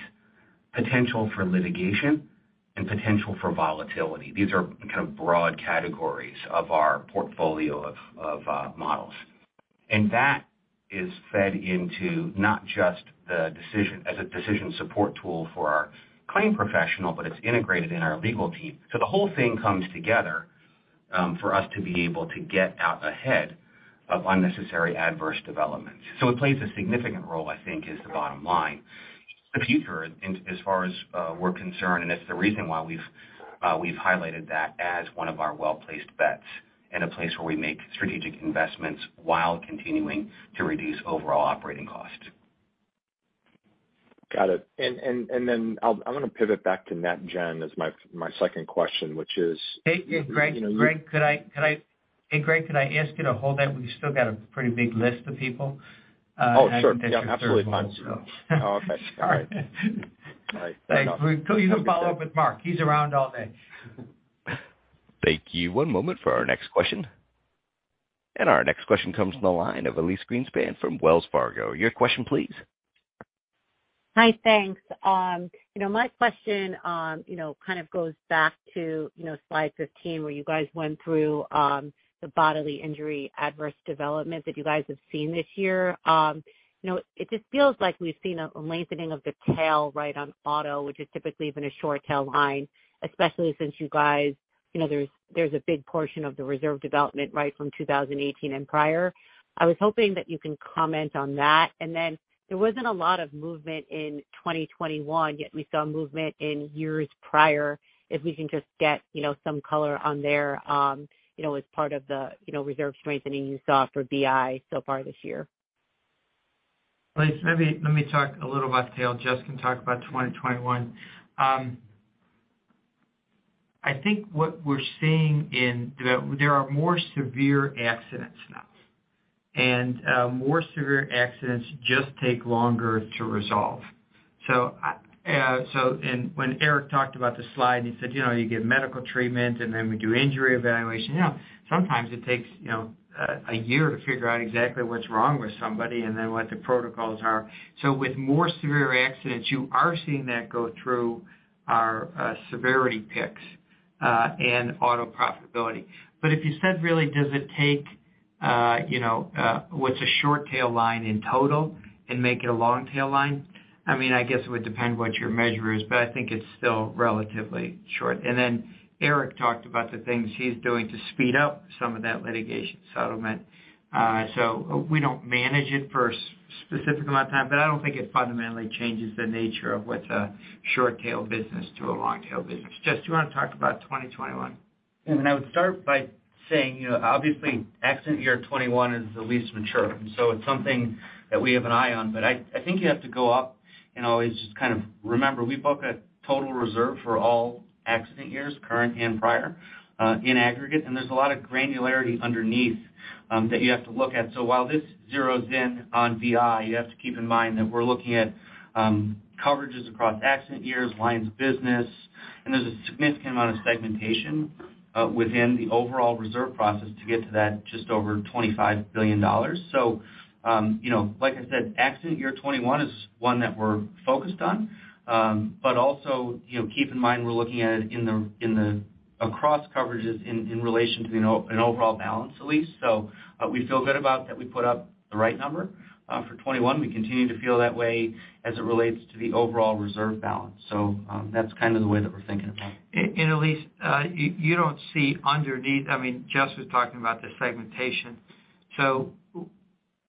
potential for litigation, and potential for volatility. These are kind of broad categories of our portfolio of models. That is fed into not just the decision as a decision support tool for our claim professional, but it's integrated in our legal team. The whole thing comes together for us to be able to get out ahead of unnecessary adverse developments. It plays a significant role, I think, is the bottom line. The future in as far as, we're concerned, and it's the reason why we've highlighted that as one of our well-placed bets and a place where we make strategic investments while continuing to reduce overall operating costs. Got it. Then I'm gonna pivot back to National General as my second question, which is- Hey, Greg, could I ask you to hold that? We still got a pretty big list of people. Oh, sure. Yes, absolutely. Fine. So Okay. All right. All right. Fair enough. Thanks. You can follow up with Mark. He's around all day. Thank you. One moment for our next question. Our next question comes from the line of Elyse Greenspan from Wells Fargo. Your question please. Hi. Thanks. you know, my question, you know, kind of goes back to, you know, slide 15 where you guys went through, the bodily injury adverse development that you guys have seen this year. you know, it just feels like we've seen a lengthening of the tail right on auto, which is typically been a short tail line, especially since you guys, you know, there's a big portion of the reserve development right from 2018 and prior. I was hoping that you can comment on that. There wasn't a lot of movement in 2021, yet we saw movement in years prior. If we can just get, you know, some color on there, you know, as part of the, you know, reserve strengthening you saw for BI so far this year. Elyse, maybe let me talk a little about tail. Jess can talk about 2021. I think what we're seeing in there are more severe accidents now. More severe accidents just take longer to resolve. When Eric talked about the slide, he said, "You know, you get medical treatment, and then we do injury evaluation." You know, sometimes it takes, you know, a year to figure out exactly what's wrong with somebody and then what the protocols are. With more severe accidents, you are seeing that go through our severity picks and auto profitability. If you said, really, does it take, you know, what's a short tail line in total and make it a long tail line, I mean, I guess it would depend what your measure is, but I think it's still relatively short. Eric talked about the things he's doing to speed up some of that litigation settlement. We don't manage it for a specific amount of time, but I don't think it fundamentally changes the nature of what's a short tail business to a long tail business. Jess, do you wanna talk about 2021? Yeah. I would start by saying, you know, obviously, accident year 21 is the least mature. It's something that we have an eye on. I think you have to go up, and always just kind of remember, we book a total reserve for all accident years, current and prior, in aggregate. There's a lot of granularity underneath that you have to look at. While this zeros in on BI, you have to keep in mind that we're looking at coverages across accident years, lines of business, and there's a significant amount of segmentation within the overall reserve process to get to that just over $25 billion. You know, like I said, accident year 21 is one that we're focused on. Also, you know, keep in mind we're looking at it in the. Across coverages in relation to an overall balance, Elyse. We feel good about that we put up the right number for 21. We continue to feel that way as it relates to the overall reserve balance. That's kind of the way that we're thinking about it. Elyse, you don't see underneath. I mean, Jess was talking about the segmentation.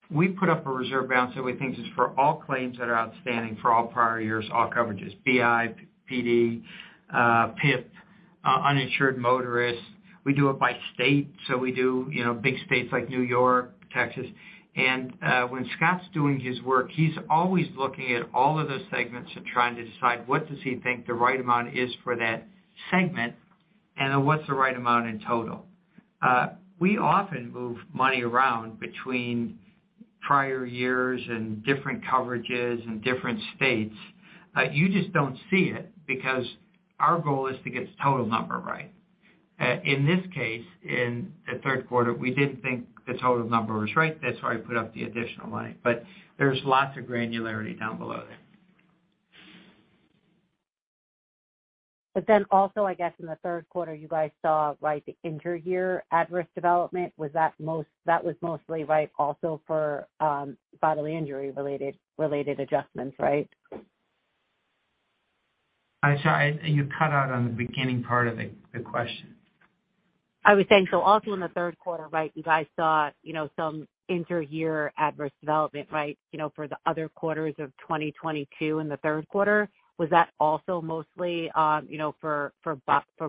We put up a reserve balance that we think is for all claims that are outstanding for all prior years, all coverages, BI, PD, PIP, uninsured motorists. We do it by state, so we do, you know, big states like New York, Texas. When Scott's doing his work, he's always looking at all of those segments and trying to decide what does he think the right amount is for that segment, and then what's the right amount in total. We often move money around between prior years and different coverages in different states. You just don't see it because our goal is to get the total number right. In this case, in the third quarter, we didn't think the total number was right. That's why I put up the additional money. There's lots of granularity down below there. Also, I guess, in the third quarter, you guys saw like the intra-year adverse development, was that mostly, right, also for, bodily injury related adjustments, right? I'm sorry. You cut out on the beginning part of the question. I was saying in the third quarter, right, you guys saw, you know, some intra-year adverse development, right, you know, for the other quarters of 2022 in the third quarter. Was that also mostly, you know, for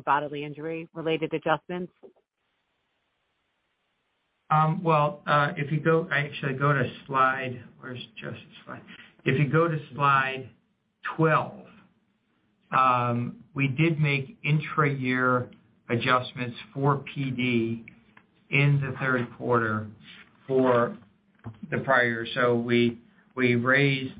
bodily injury-related adjustments? Well, I actually go to slide. Where's Jess' slide? If you go to slide 12, we did make intra-year adjustments for PD in the third quarter for the prior year. We raised,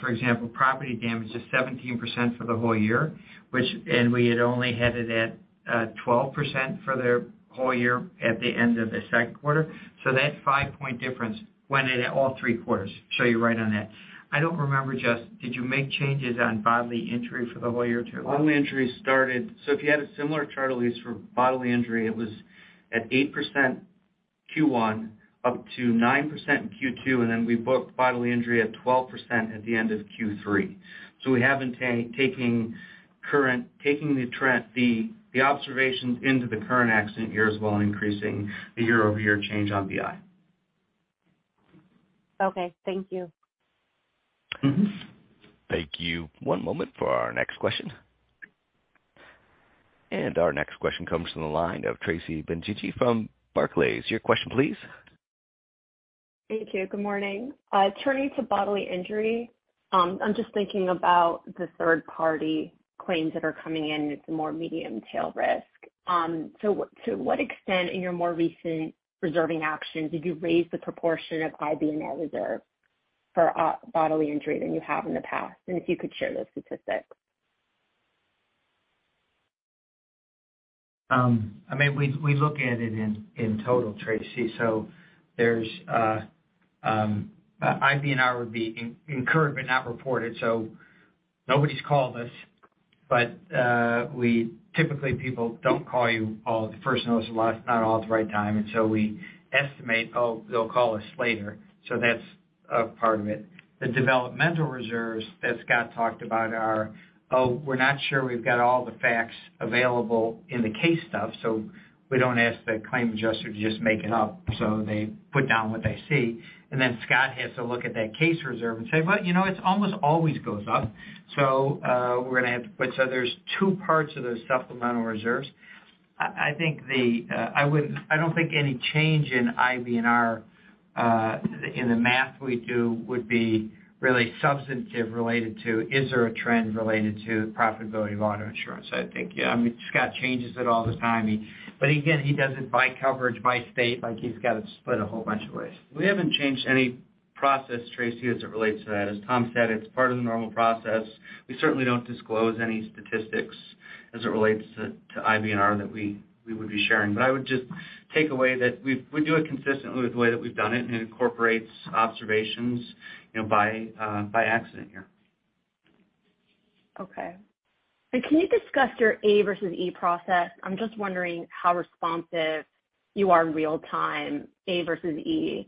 for example, property damage to 17% for the whole year, which-- And we had only had it at 12% for the whole year at the end of the second quarter. That five-point difference went into all three quarters. You're right on that. I don't remember, Jess. Did you make changes on bodily injury for the whole year, too? Bodily injury started. If you had a similar chart, Elyse, for bodily injury, it was at 8% Q1 up to 9% in Q2, and then we booked bodily injury at 12% at the end of Q3. We have been taking current, taking the trend, the observations into the current accident year as well and increasing the year-over-year change on BI. Okay. Thank you. Mm-hmm. Thank you. One moment for our next question. Our next question comes from the line of Tracy Benguigui from Barclays. Your question, please. Thank you. Good morning. Turning to bodily injury, I'm just thinking about the third-party claims that are coming in with more medium tail risk. To what extent in your more recent reserving actions did you raise the proportion of IBNR reserve for bodily injury than you have in the past, and if you could share those statistics? I mean, we look at it in total, Tracy. IBNR would be incurred but not reported. Nobody's called us. Typically people don't call you all the first notice of loss, not all at the right time. We estimate, they'll call us later. That's a part of it. The developmental reserves that Scott talked about are, we're not sure we've got all the facts available in the case stuff. We don't ask the claim adjuster to just make it up. They put down what they see. Scott has to look at that case reserve and say, "You know, it's almost always goes up." There's two parts of those supplemental reserves. I think the I don't think any change in IBNR in the math we do would be really substantive related to, is there a trend related to profitability of auto insurance? I think, I mean, Scott changes it all the time. But again, he does it by coverage, by state. Like, he's got it split a whole bunch of ways. We haven't changed any process, Tracy, as it relates to that. As Tom said, it's part of the normal process. We certainly don't disclose any statistics as it relates to IBNR that we would be sharing. I would just take away that we do it consistently with the way that we've done it, and it incorporates observations, you know, by accident year. Okay. Can you discuss your actual versus expected process? I'm just wondering how responsive you are in real time, actual versus expected.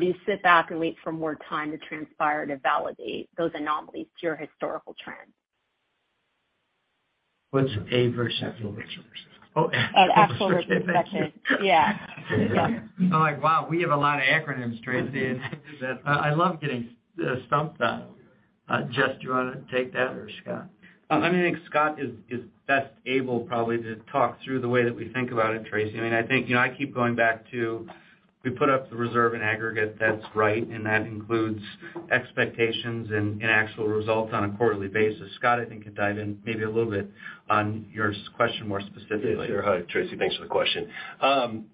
Do you sit back and wait for more time to transpire to validate those anomalies to your historical trends? What's A versus? actual versus expected. Yeah. I'm like, wow, we have a lot of acronyms, Tracy. I love getting stumped on. Jess, do you wanna take that or Scott? I think Scott is best able probably to talk through the way that we think about it, Tracy. I mean, I think, you know, I keep going back to, we put up the reserve in aggregate that's right, and that includes expectations and actual results on a quarterly basis. Scott, I think, can dive in maybe a little bit on your question more specifically. Yes, sir. Hi, Tracy. Thanks for the question.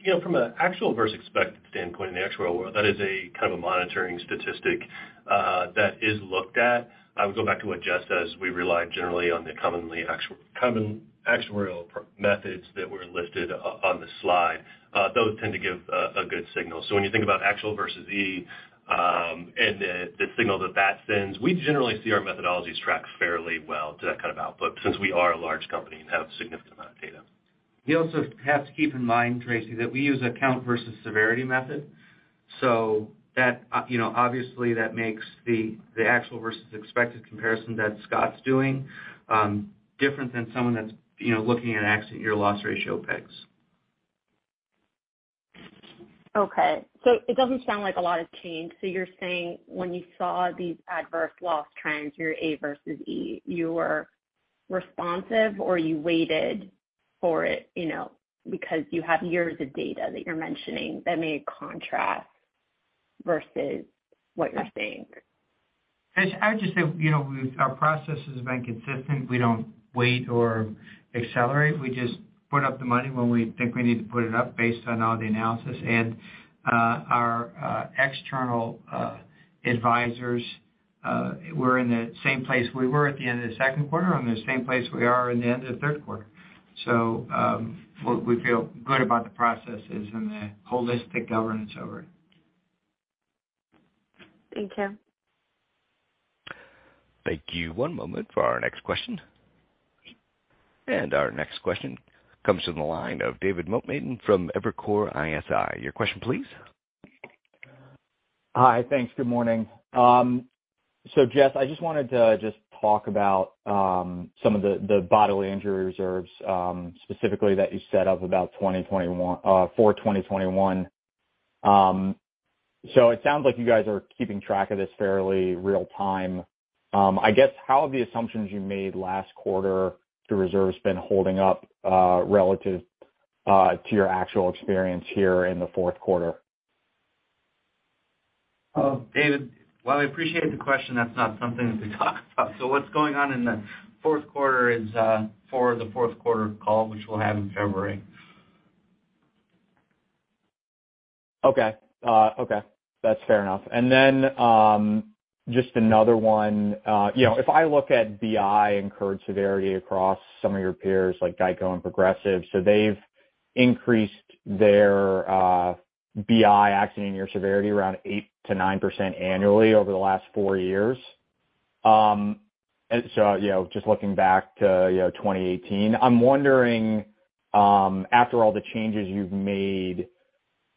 you know, from a actual versus expected standpoint in the actuarial world, that is a kind of a monitoring statistic that is looked at. I would go back to what Jess says. We rely generally on the commonly common actuarial methods that were listed on the slide. those tend to give a good signal. When you think about actual versus The, the signal that that sends, we generally see our methodologies track fairly well to that kind of output since we are a large company and have a significant amount of data. You also have to keep in mind, Tracy, that we use a count versus severity method. You know, obviously that makes the actual versus expected comparison that Scott's doing, different than someone that's, you know, looking at accident year loss ratio picks. Okay. It doesn't sound like a lot has changed. You're saying when you saw these adverse loss trends, your actual versus expected, you were responsive or you waited for it, you know, because you have years of data that you're mentioning that may contrast versus what you're seeing. I would just say, you know, our process has been consistent. We don't wait or accelerate. We just put up the money when we think we need to put it up based on all the analysis. Our external advisors, we're in the same place we were at the end of the second quarter and the same place we are in the end of the third quarter. We feel good about the processes and the holistic governance over it. Thank you. Thank you. One moment for our next question. Our next question comes from the line of David Motemaden from Evercore ISI. Your question please. Hi. Thanks. Good morning. Jeff, I just wanted to just talk about some of the bodily injury reserves, specifically that you set up for 2021. It sounds like you guys are keeping track of this fairly real time. I guess, how have the assumptions you made last quarter to reserves been holding up, relative to your actual experience here in the fourth quarter? David, while I appreciate the question, that's not something that we talk about. What's going on in the fourth quarter is for the fourth quarter call, which we'll have in February. Okay. Okay. That's fair enough. Just another one. You know, if I look at BI incurred severity across some of your peers like GEICO and Progressive, they've increased their BI accident year severity around 8%-9% annually over the last four years. You know, just looking back to, you know, 2018. I'm wondering, after all the changes you've made,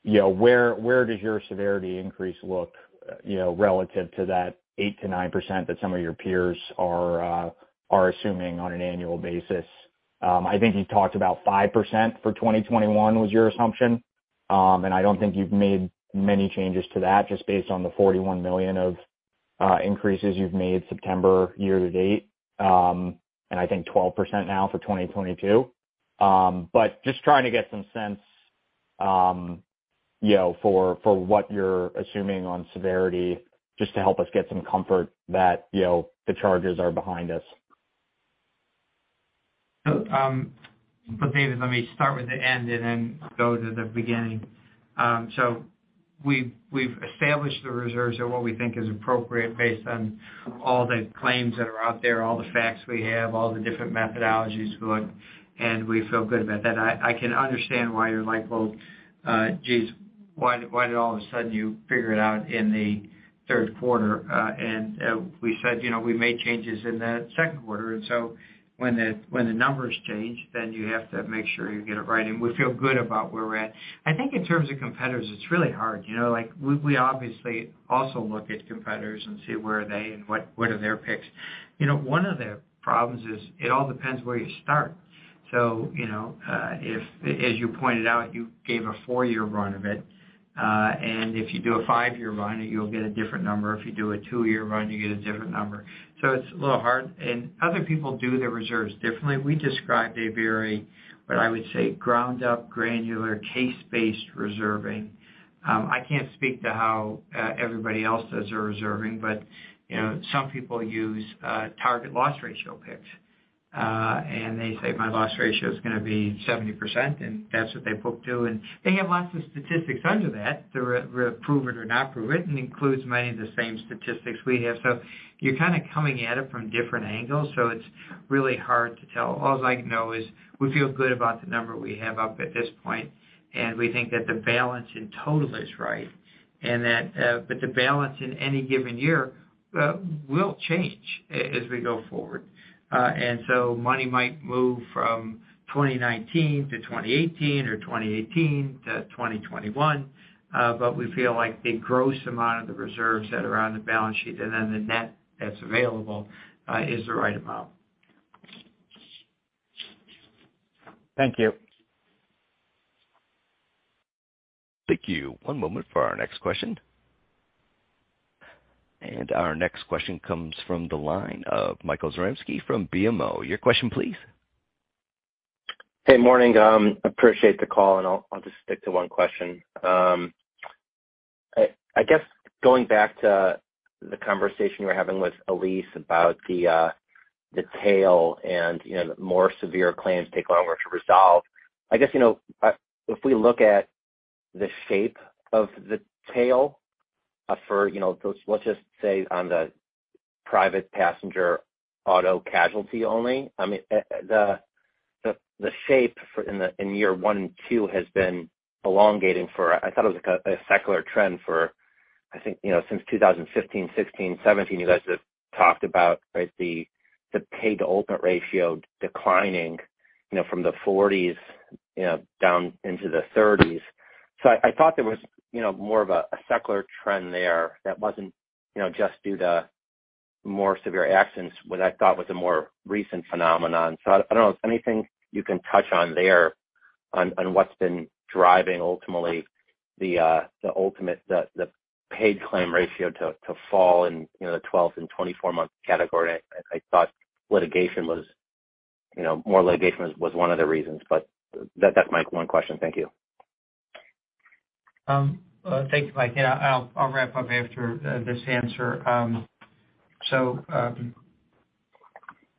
you know, where does your severity increase look, you know, relative to that 8%-9% that some of your peers are assuming on an annual basis? I think you talked about 5% for 2021 was your assumption. I don't think you've made many changes to that just based on the $41 million of increases you've made September year to date, and I think 12% now for 2022. Just trying to get some sense, you know, for what you're assuming on severity just to help us get some comfort that, you know, the charges are behind us. David, let me start with the end and then go to the beginning. We've established the reserves at what we think is appropriate based on all the claims that are out there, all the facts we have, all the different methodologies going, and we feel good about that. I can understand why you're like, well, geez, why did all of a sudden you figure it out in the third quarter? We said, you know, we made changes in the second quarter. When the numbers change, then you have to make sure you get it right. And we feel good about where we're at. I think in terms of competitors, it's really hard. You know, like, we obviously also look at competitors and see where are they and what are their picks. You know, one of the problems is it all depends where you start. You know, if as you pointed out, you gave a four-year run of it, and if you do a five-year run, you'll get a different number. If you do a two-year run, you get a different number. It's a little hard, and other people do their reserves differently. We described a very, what I would say, ground up, granular, case-based reserving. I can't speak to how everybody else does their reserving. You know, some people use target loss ratio picks. They say, "My loss ratio is gonna be 70%," and that's what they book to. They have lots of statistics under that to prove it or not prove it, and includes many of the same statistics we have. You're kind of coming at it from different angles, so it's really hard to tell. All I can know is we feel good about the number we have up at this point, and we think that the balance in total is right. The balance in any given year will change as we go forward. Money might move from 2019 to 2018 or 2018 to 2021. We feel like the gross amount of the reserves that are on the balance sheet and then the net that's available is the right amount. Thank you. Thank you. One moment for our next question. Our next question comes from the line of Michael Zaremski from BMO. Your question please. Hey, morning. Appreciate the call, and I'll just stick to one question. I guess going back to the conversation you were having with Elyse about the tail and, you know, more severe claims take longer to resolve. I guess, you know, if we look at the shape of the tail for, you know, let's just say on the private passenger auto casualty only. I mean, the shape in year one and two has been elongating for, I thought it was like a secular trend for, I think, you know, since 2015, 2016, 2017, you guys have talked about, right, the paid ultimate ratio declining, you know, from the 40s, you know, down into the 30s. I thought there was, you know, more of a secular trend there that wasn't, you know, just due to more severe accidents, what I thought was a more recent phenomenon. I don't know if anything you can touch on there on what's been driving ultimately the ultimate paid claim ratio to fall in, you know, the 12 and 24 month category. I thought litigation was, you know, more litigation was one of the reasons, that's my one question. Thank you. Thank you, Mike. Yeah, I'll wrap up after this answer.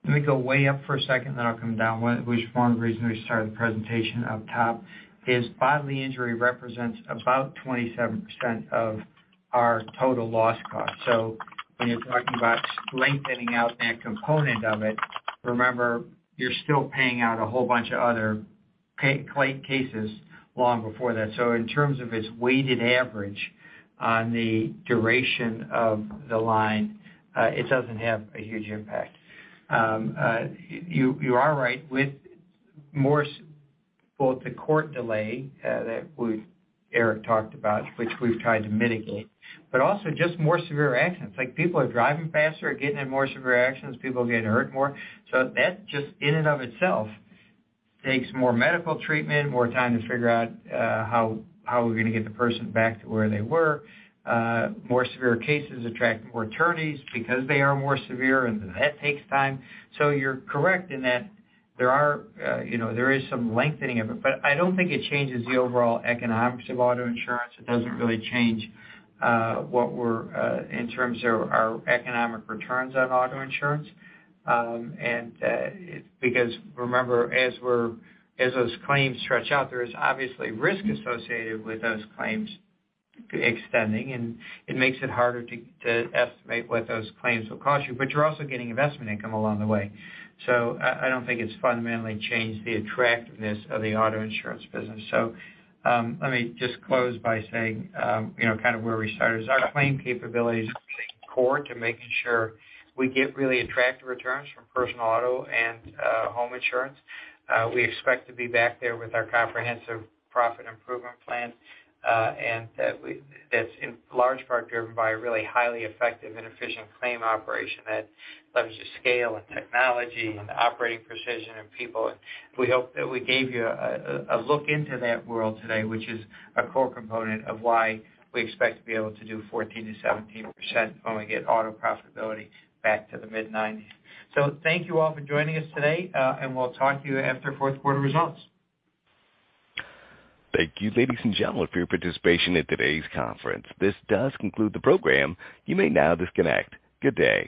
Let me go way up for a second, then I'll come down. One reason we started the presentation up top is bodily injury represents about 27% of our total loss cost. When you're talking about lengthening out that component of it, remember, you're still paying out a whole bunch of other client cases long before that. In terms of its weighted average on the duration of the line, it doesn't have a huge impact. You are right, with more both the court delay that Eric talked about, which we've tried to mitigate, but also just more severe accidents, like people are driving faster or getting in more severe accidents. People are getting hurt more, so that just in and of itself takes more medical treatment, more time to figure out how we're gonna get the person back to where they were. More severe cases attract more attorneys because they are more severe, and that takes time. You're correct in that there are, you know, there is some lengthening of it, but I don't think it changes the overall economics of auto insurance. It doesn't really change what we're in terms of our economic returns on auto insurance. Because remember, as those claims stretch out, there is obviously risk associated with those claims extending, and it makes it harder to estimate what those claims will cost you, but you're also getting investment income along the way. I don't think it's fundamentally changed the attractiveness of the auto insurance business. Let me just close by saying, you know, kind of where we started. Our claim capability is core to making sure we get really attractive returns from personal auto and home insurance. We expect to be back there with our comprehensive profit improvement plan, and that's in large part driven by a really highly effective and efficient claim operation that leverages scale and technology and operating precision and people. We hope that we gave you a look into that world today, which is a core component of why we expect to be able to do 14%-17% when we get auto profitability back to the mid-90s. Thank you all for joining us today, and we'll talk to you after fourth quarter results. Thank you, ladies and gentlemen, for your participation in today's conference. This does conclude the program. You may now disconnect. Good day.